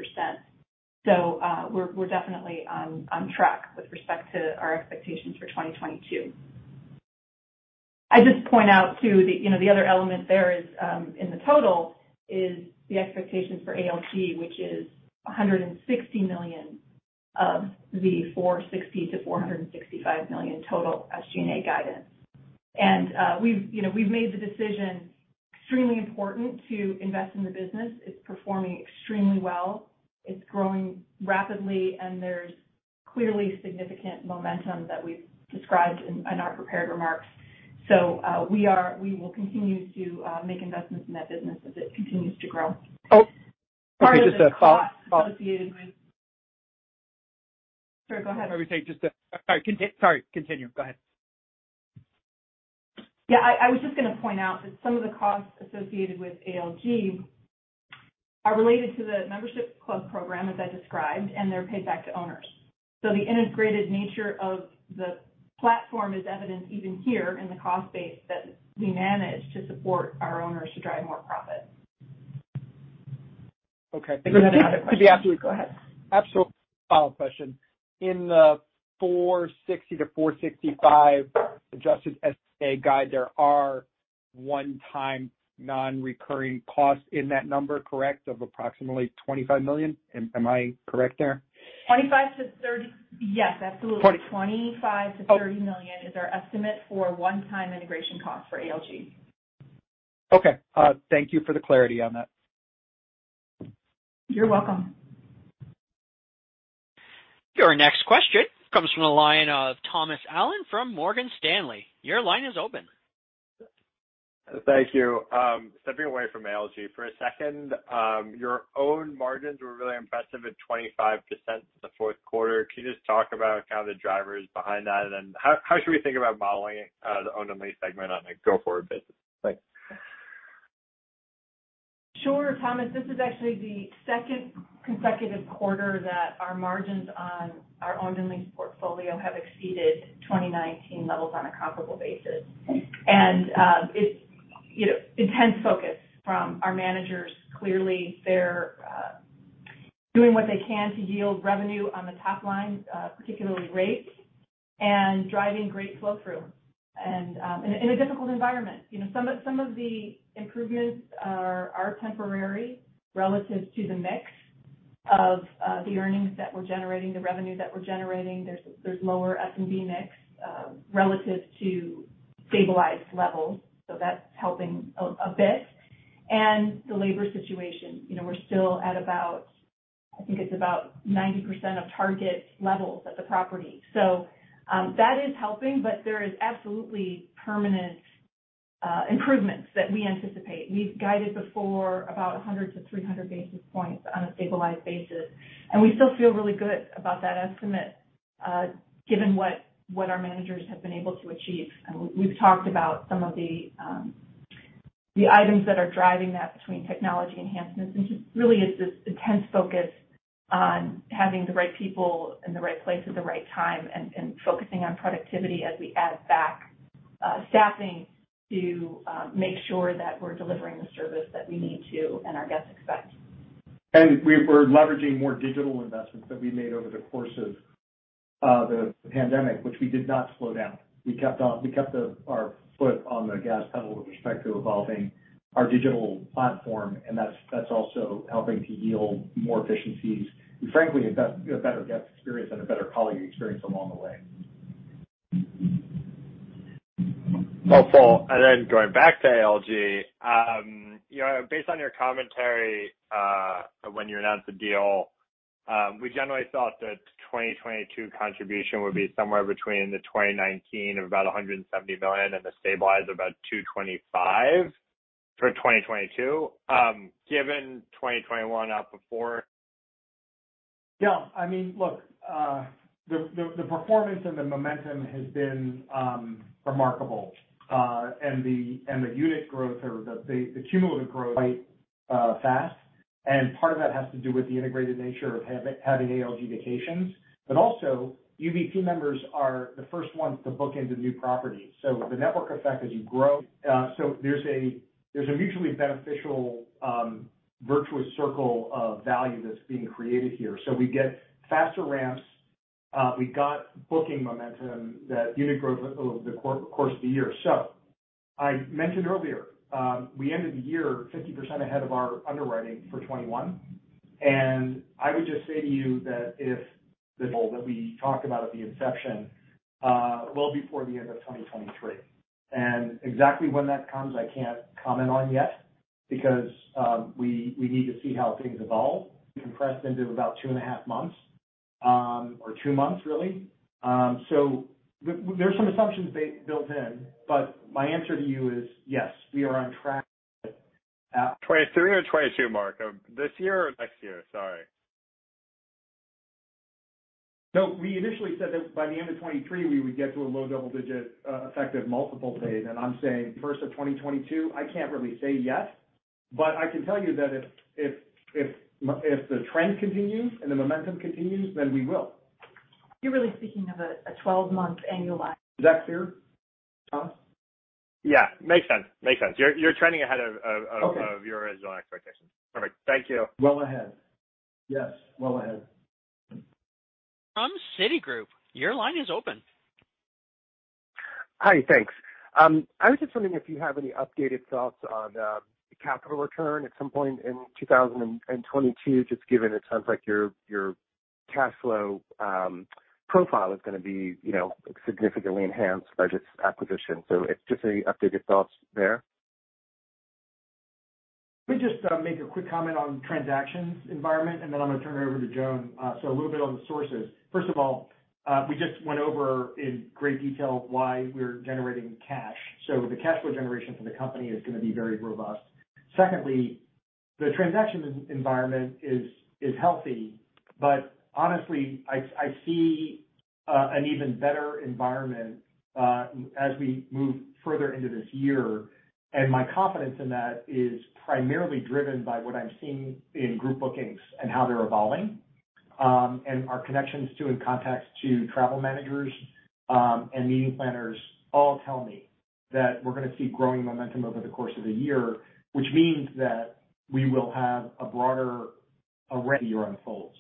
We're definitely on track with respect to our expectations for 2022. I just point out too, you know, the other element there is in the total the expectations for ALG, which is $160 million of the $460 million-$465 million total SG&A guidance. We've, you know, made the decision extremely important to invest in the business. It's performing extremely well. It's growing rapidly, and there's clearly significant momentum that we've described in our prepared remarks. We will continue to make investments in that business as it continues to grow. Oh, okay. Just a follow-up. Sorry, go ahead. Sorry, continue. Go ahead. Yeah, I was just gonna point out that some of the costs associated with ALG are related to the membership club program, as I described, and they're paid back to owners. The integrated nature of the platform is evident even here in the cost base that we manage to support our owners to drive more profit. Okay. Go ahead. Absolutely. Follow-up question. In the $460 million-$465 million adjusted SG&A guide, there are one-time non-recurring costs in that number, correct, of approximately $25 million? Am I correct there? 25-30. Yes, absolutely. $25 million-$30 million is our estimate for one-time integration cost for ALG. Okay. Thank you for the clarity on that. You're welcome. Your next question comes from the line of Thomas Allen from Morgan Stanley. Your line is open. Thank you. Stepping away from ALG for a second, your own margins were really impressive at 25% in the Q4. Can you just talk about kind of the drivers behind that, and then how should we think about modeling the owned and leased segment on a go-forward basis? Thanks. Sure, Thomas. This is actually the second consecutive quarter that our margins on our owned and leased portfolio have exceeded 2019 levels on a comparable basis. It's, you know, intense focus from our managers. Clearly, they're doing what they can to yield revenue on the top line, particularly rates, and driving great flow through and in a difficult environment. You know, some of the improvements are temporary relative to the mix of the earnings that we're generating, the revenue that we're generating. There's lower F&B mix relative to stabilized levels, so that's helping a bit. The labor situation, you know, we're still at about, I think it's about 90% of target levels at the property. That is helping, but there is absolutely permanent improvements that we anticipate. We've guided before about 100 basis points-300 basis points on a stabilized basis, and we still feel really good about that estimate, given what our managers have been able to achieve. We've talked about some of the items that are driving that between technology enhancements, and it really is this intense focus on having the right people in the right place at the right time and focusing on productivity as we add back staffing to make sure that we're delivering the service that we need to and our guests expect. We're leveraging more digital investments that we made over the course of the pandemic, which we did not slow down. We kept our foot on the gas pedal with respect to evolving our digital platform, and that's also helping to yield more efficiencies. Frankly, a better guest experience and a better colleague experience along the way. Helpful. Going back to ALG. You know, based on your commentary when you announced the deal, we generally thought that 2022 contribution would be somewhere between the 2019 of about $170 million and the stabilized of about $225 million for 2022. Given 2021 out before? Yeah. I mean, look, the performance and the momentum has been remarkable. The unit growth or the cumulative growth quite fast. Part of that has to do with the integrated nature of having ALG Vacations. Also, UVC members are the first ones to book into new properties. The network effect as you grow, so there's a mutually beneficial virtuous circle of value that's being created here. We get faster ramps. We got booking momentum that unit growth over the course of the year. I mentioned earlier, we ended the year 50% ahead of our underwriting for 2021. I would just say to you that if the goal that we talked about at the inception, well before the end of 2023. Exactly when that comes, I can't comment on yet because we need to see how things evolve. Compressed into about 2.5 months or two months, really. There's some assumptions built in, but my answer to you is yes, we are on track. 2023 or 2022, Mark? This year or next year? Sorry. We initially said that by the end of 2023 we would get to a low double-digit effective multiple paid. I'm saying first of 2022, I can't really say yet, but I can tell you that if the trend continues and the momentum continues, then we will. You're really speaking of a twelve-month annualize. Is that clear, Thomas? Yeah. Makes sense. You're trending ahead of your original expectations. Perfect. Thank you. Well ahead. Yes, well ahead. From Citigroup, your line is open. Hi. Thanks. I was just wondering if you have any updated thoughts on the capital return at some point in 2022, just given it sounds like your cash flow profile is gonna be, you know, significantly enhanced by this acquisition. It's just any updated thoughts there. Let me just make a quick comment on transaction environment, and then I'm gonna turn it over to Joan. So a little bit on the sources. First of all, we just went over in great detail why we're generating cash. So the cash flow generation for the company is gonna be very robust. Secondly, the transaction environment is healthy, but honestly, I see an even better environment as we move further into this year. My confidence in that is primarily driven by what I'm seeing in group bookings and how they're evolving. Our connections to and contacts to travel managers and meeting planners all tell me that we're gonna see growing momentum over the course of the year, which means that we will have a broader array as the year unfolds.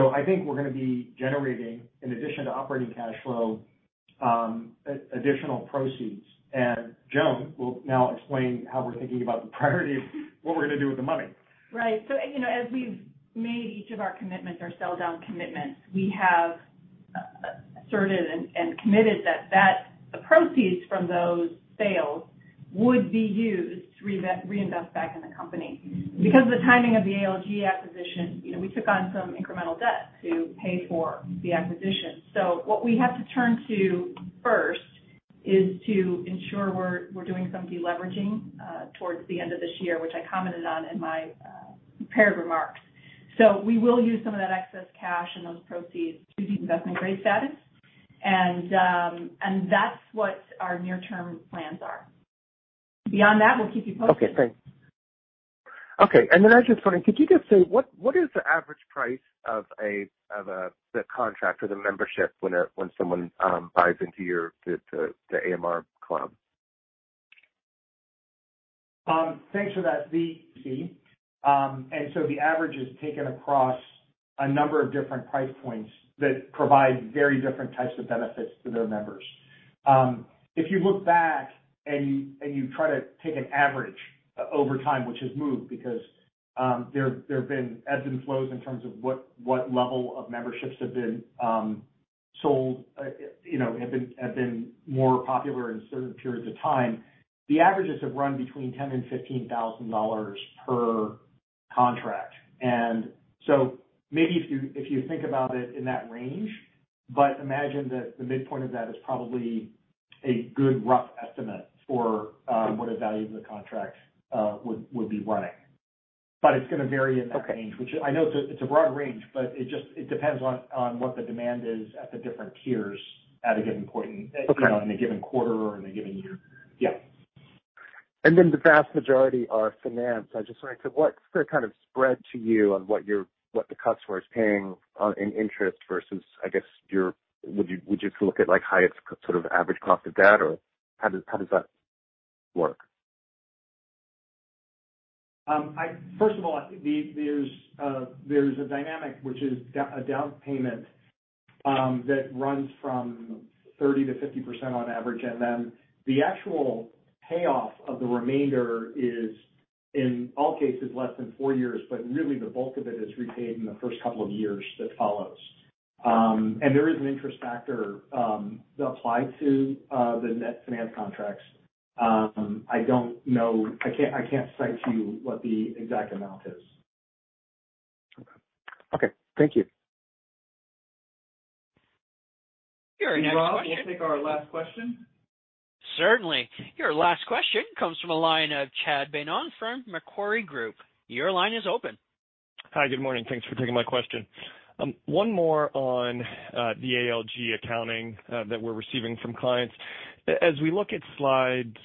I think we're gonna be generating, in addition to operating cash flow, additional proceeds. Joan will now explain how we're thinking about the priority of what we're gonna do with the money. Right. You know, as we've made each of our commitments or sell down commitments, we have asserted and committed that the proceeds from those sales would be used to reinvest back in the company. Because of the timing of the ALG acquisition, you know, we took on some incremental debt to pay for the acquisition. What we have to turn to first is to ensure we're doing some de-leveraging towards the end of this year, which I commented on in my prepared remarks. We will use some of that excess cash and those proceeds to the investment grade status. That's what our near term plans are. Beyond that, we'll keep you posted. Thanks. I was just wondering, could you just say what is the average price of the contract or the membership when someone buys into the AMR club? Thanks for that, Z. The average is taken across a number of different price points that provide very different types of benefits to their members. If you look back and you try to take an average over time, which has moved because there have been ebbs and flows in terms of what level of memberships have been sold, you know, have been more popular in certain periods of time. The averages have run between $10,000-$15,000 per contract. Maybe if you think about it in that range, but imagine that the midpoint of that is probably a good rough estimate for what a value of the contract would be running. But it's gonna vary in that range, which I know it's a broad range, but it just, it depends on what the demand is at the different tiers at a given point in- Okay. You know, in a given quarter or in a given year. Yeah. The vast majority are financed. I'm just wondering, what's the kind of spread to you on what the customer is paying in interest versus, I guess, would you look at like high-yield sort of average cost of debt, or how does that work? First of all, I think there's a dynamic which is down payment that runs from 30%-50% on average, and then the actual payoff of the remainder is, in all cases, less than four years, but really the bulk of it is repaid in the first couple of years that follows. There is an interest factor applied to the Net Financed Contracts. I can't cite to you what the exact amount is. Okay. Thank you. Your next question. Rob, we'll take our last question. Certainly. Your last question comes from the line of Chad Beynon from Macquarie Group. Your line is open. Hi. Good morning. Thanks for taking my question. One more on the ALG accounting that we're receiving from clients. As we look at slides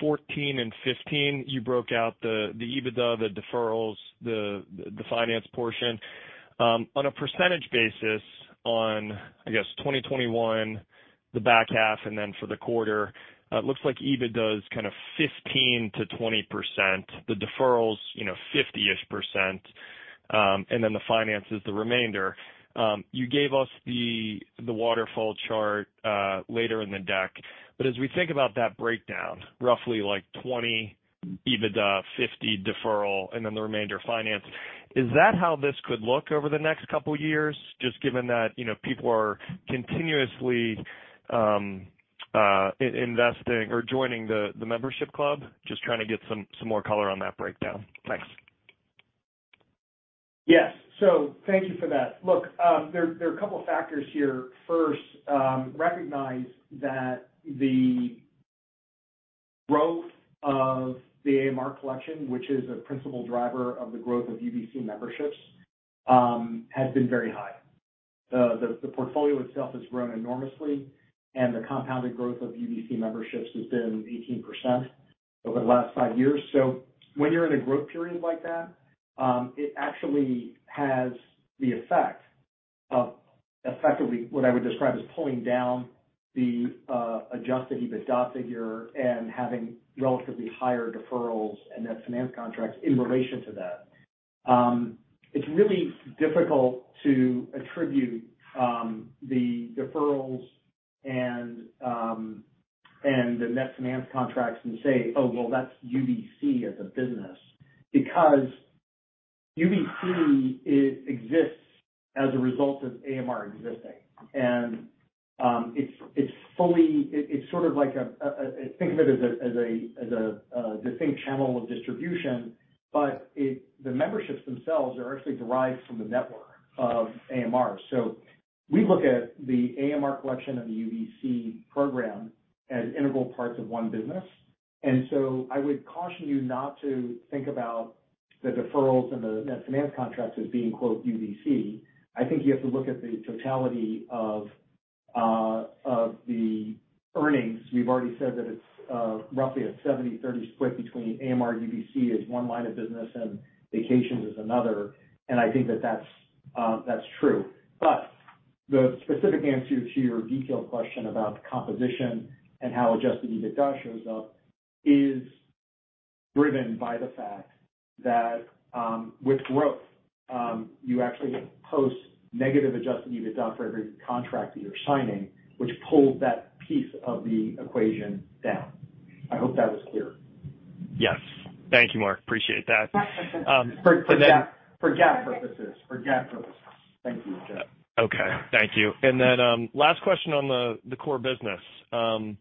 14 and 15, you broke out the EBITDA, the deferrals, the finance portion. On a percentage basis on, I guess, 2021, the back half and then for the quarter, it looks like EBITDA is kind of 15%-20%, the deferrals, you know, 50-ish%. And then the finance is the remainder. You gave us the waterfall chart later in the deck. As we think about that breakdown, roughly like 20 EBITDA, 50 deferral, and then the remainder finance, is that how this could look over the next couple years, just given that, you know, people are continuously investing or joining the membership club? Just trying to get some more color on that breakdown. Thanks. Yes. Thank you for that. Look, there are a couple factors here. First, recognize that the growth of the AMR Collection, which is a principal driver of the growth of UVC memberships, has been very high. The portfolio itself has grown enormously and the compounded growth of UVC memberships has been 18% over the last five years. When you're in a growth period like that, it actually has the effect of effectively what I would describe as pulling down the adjusted EBITDA figure and having relatively higher deferrals and Net Financed Contracts in relation to that. It's really difficult to attribute the deferrals and the Net Financed Contracts and say, "Oh, well, that's UVC as a business," because UVC exists as a result of AMR existing. It's fully—it's sort of like a—think of it as a distinct channel of distribution, but the memberships themselves are actually derived from the network of AMR. We look at the AMR Collection and the UVC program as integral parts of one business. I would caution you not to think about the deferrals and the Net Financed Contracts as being, quote, "UVC." I think you have to look at the totality of the earnings. We've already said that it's roughly a 70/30 split between AMR, UVC as one line of business and vacations as another. I think that's true. The specific answer to your detailed question about the composition and how Adjusted EBITDA shows up is driven by the fact that, with growth, you actually post negative Adjusted EBITDA for every contract that you're signing, which pulls that piece of the equation down. I hope that was clear. Yes. Thank you, Mark. Appreciate that. For GAAP purposes. Thank you. Okay. Thank you. Last question on the core business. The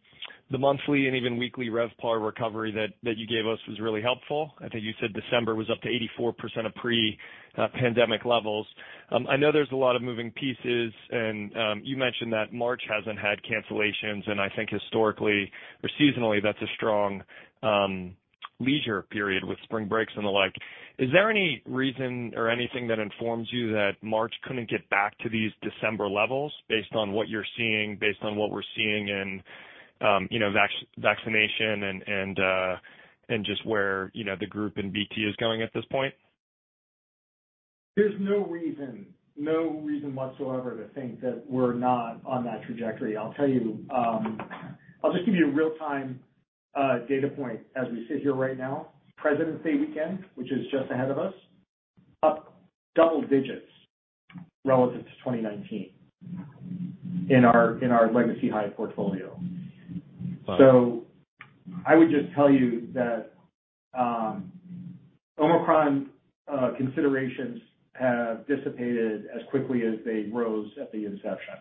monthly and even weekly RevPAR recovery that you gave us was really helpful. I think you said December was up to 84% of pre-pandemic levels. I know there's a lot of moving pieces and you mentioned that March hasn't had cancellations and I think historically or seasonally that's a strong leisure period with spring breaks and the like. Is there any reason or anything that informs you that March couldn't get back to these December levels based on what you're seeing, based on what we're seeing in you know, vaccination and just where you know, the group and BT is going at this point? There's no reason whatsoever to think that we're not on that trajectory. I'll tell you, I'll just give you a real-time data point as we sit here right now. President's Day weekend, which is just ahead of us, up double digits relative to 2019 in our legacy Hyatt portfolio. I would just tell you that Omicron considerations have dissipated as quickly as they rose at the inception.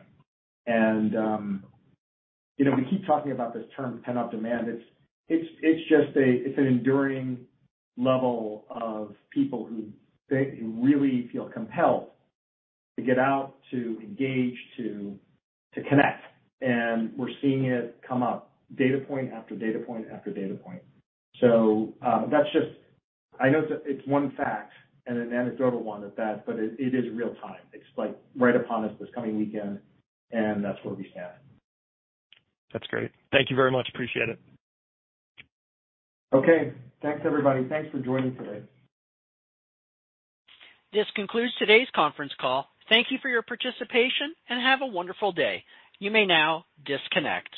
You know, we keep talking about this term pent-up demand. It's an enduring level of people who they really feel compelled to get out, to engage, to connect. We're seeing it come up data point after data point after data point. That's just one fact and an anecdotal one at that, but it is real time. It's like right upon us this coming weekend, and that's where we stand. That's great. Thank you very much. Appreciate it. Okay. Thanks, everybody. Thanks for joining today. This concludes today's conference call. Thank you for your participation and have a wonderful day. You may now disconnect.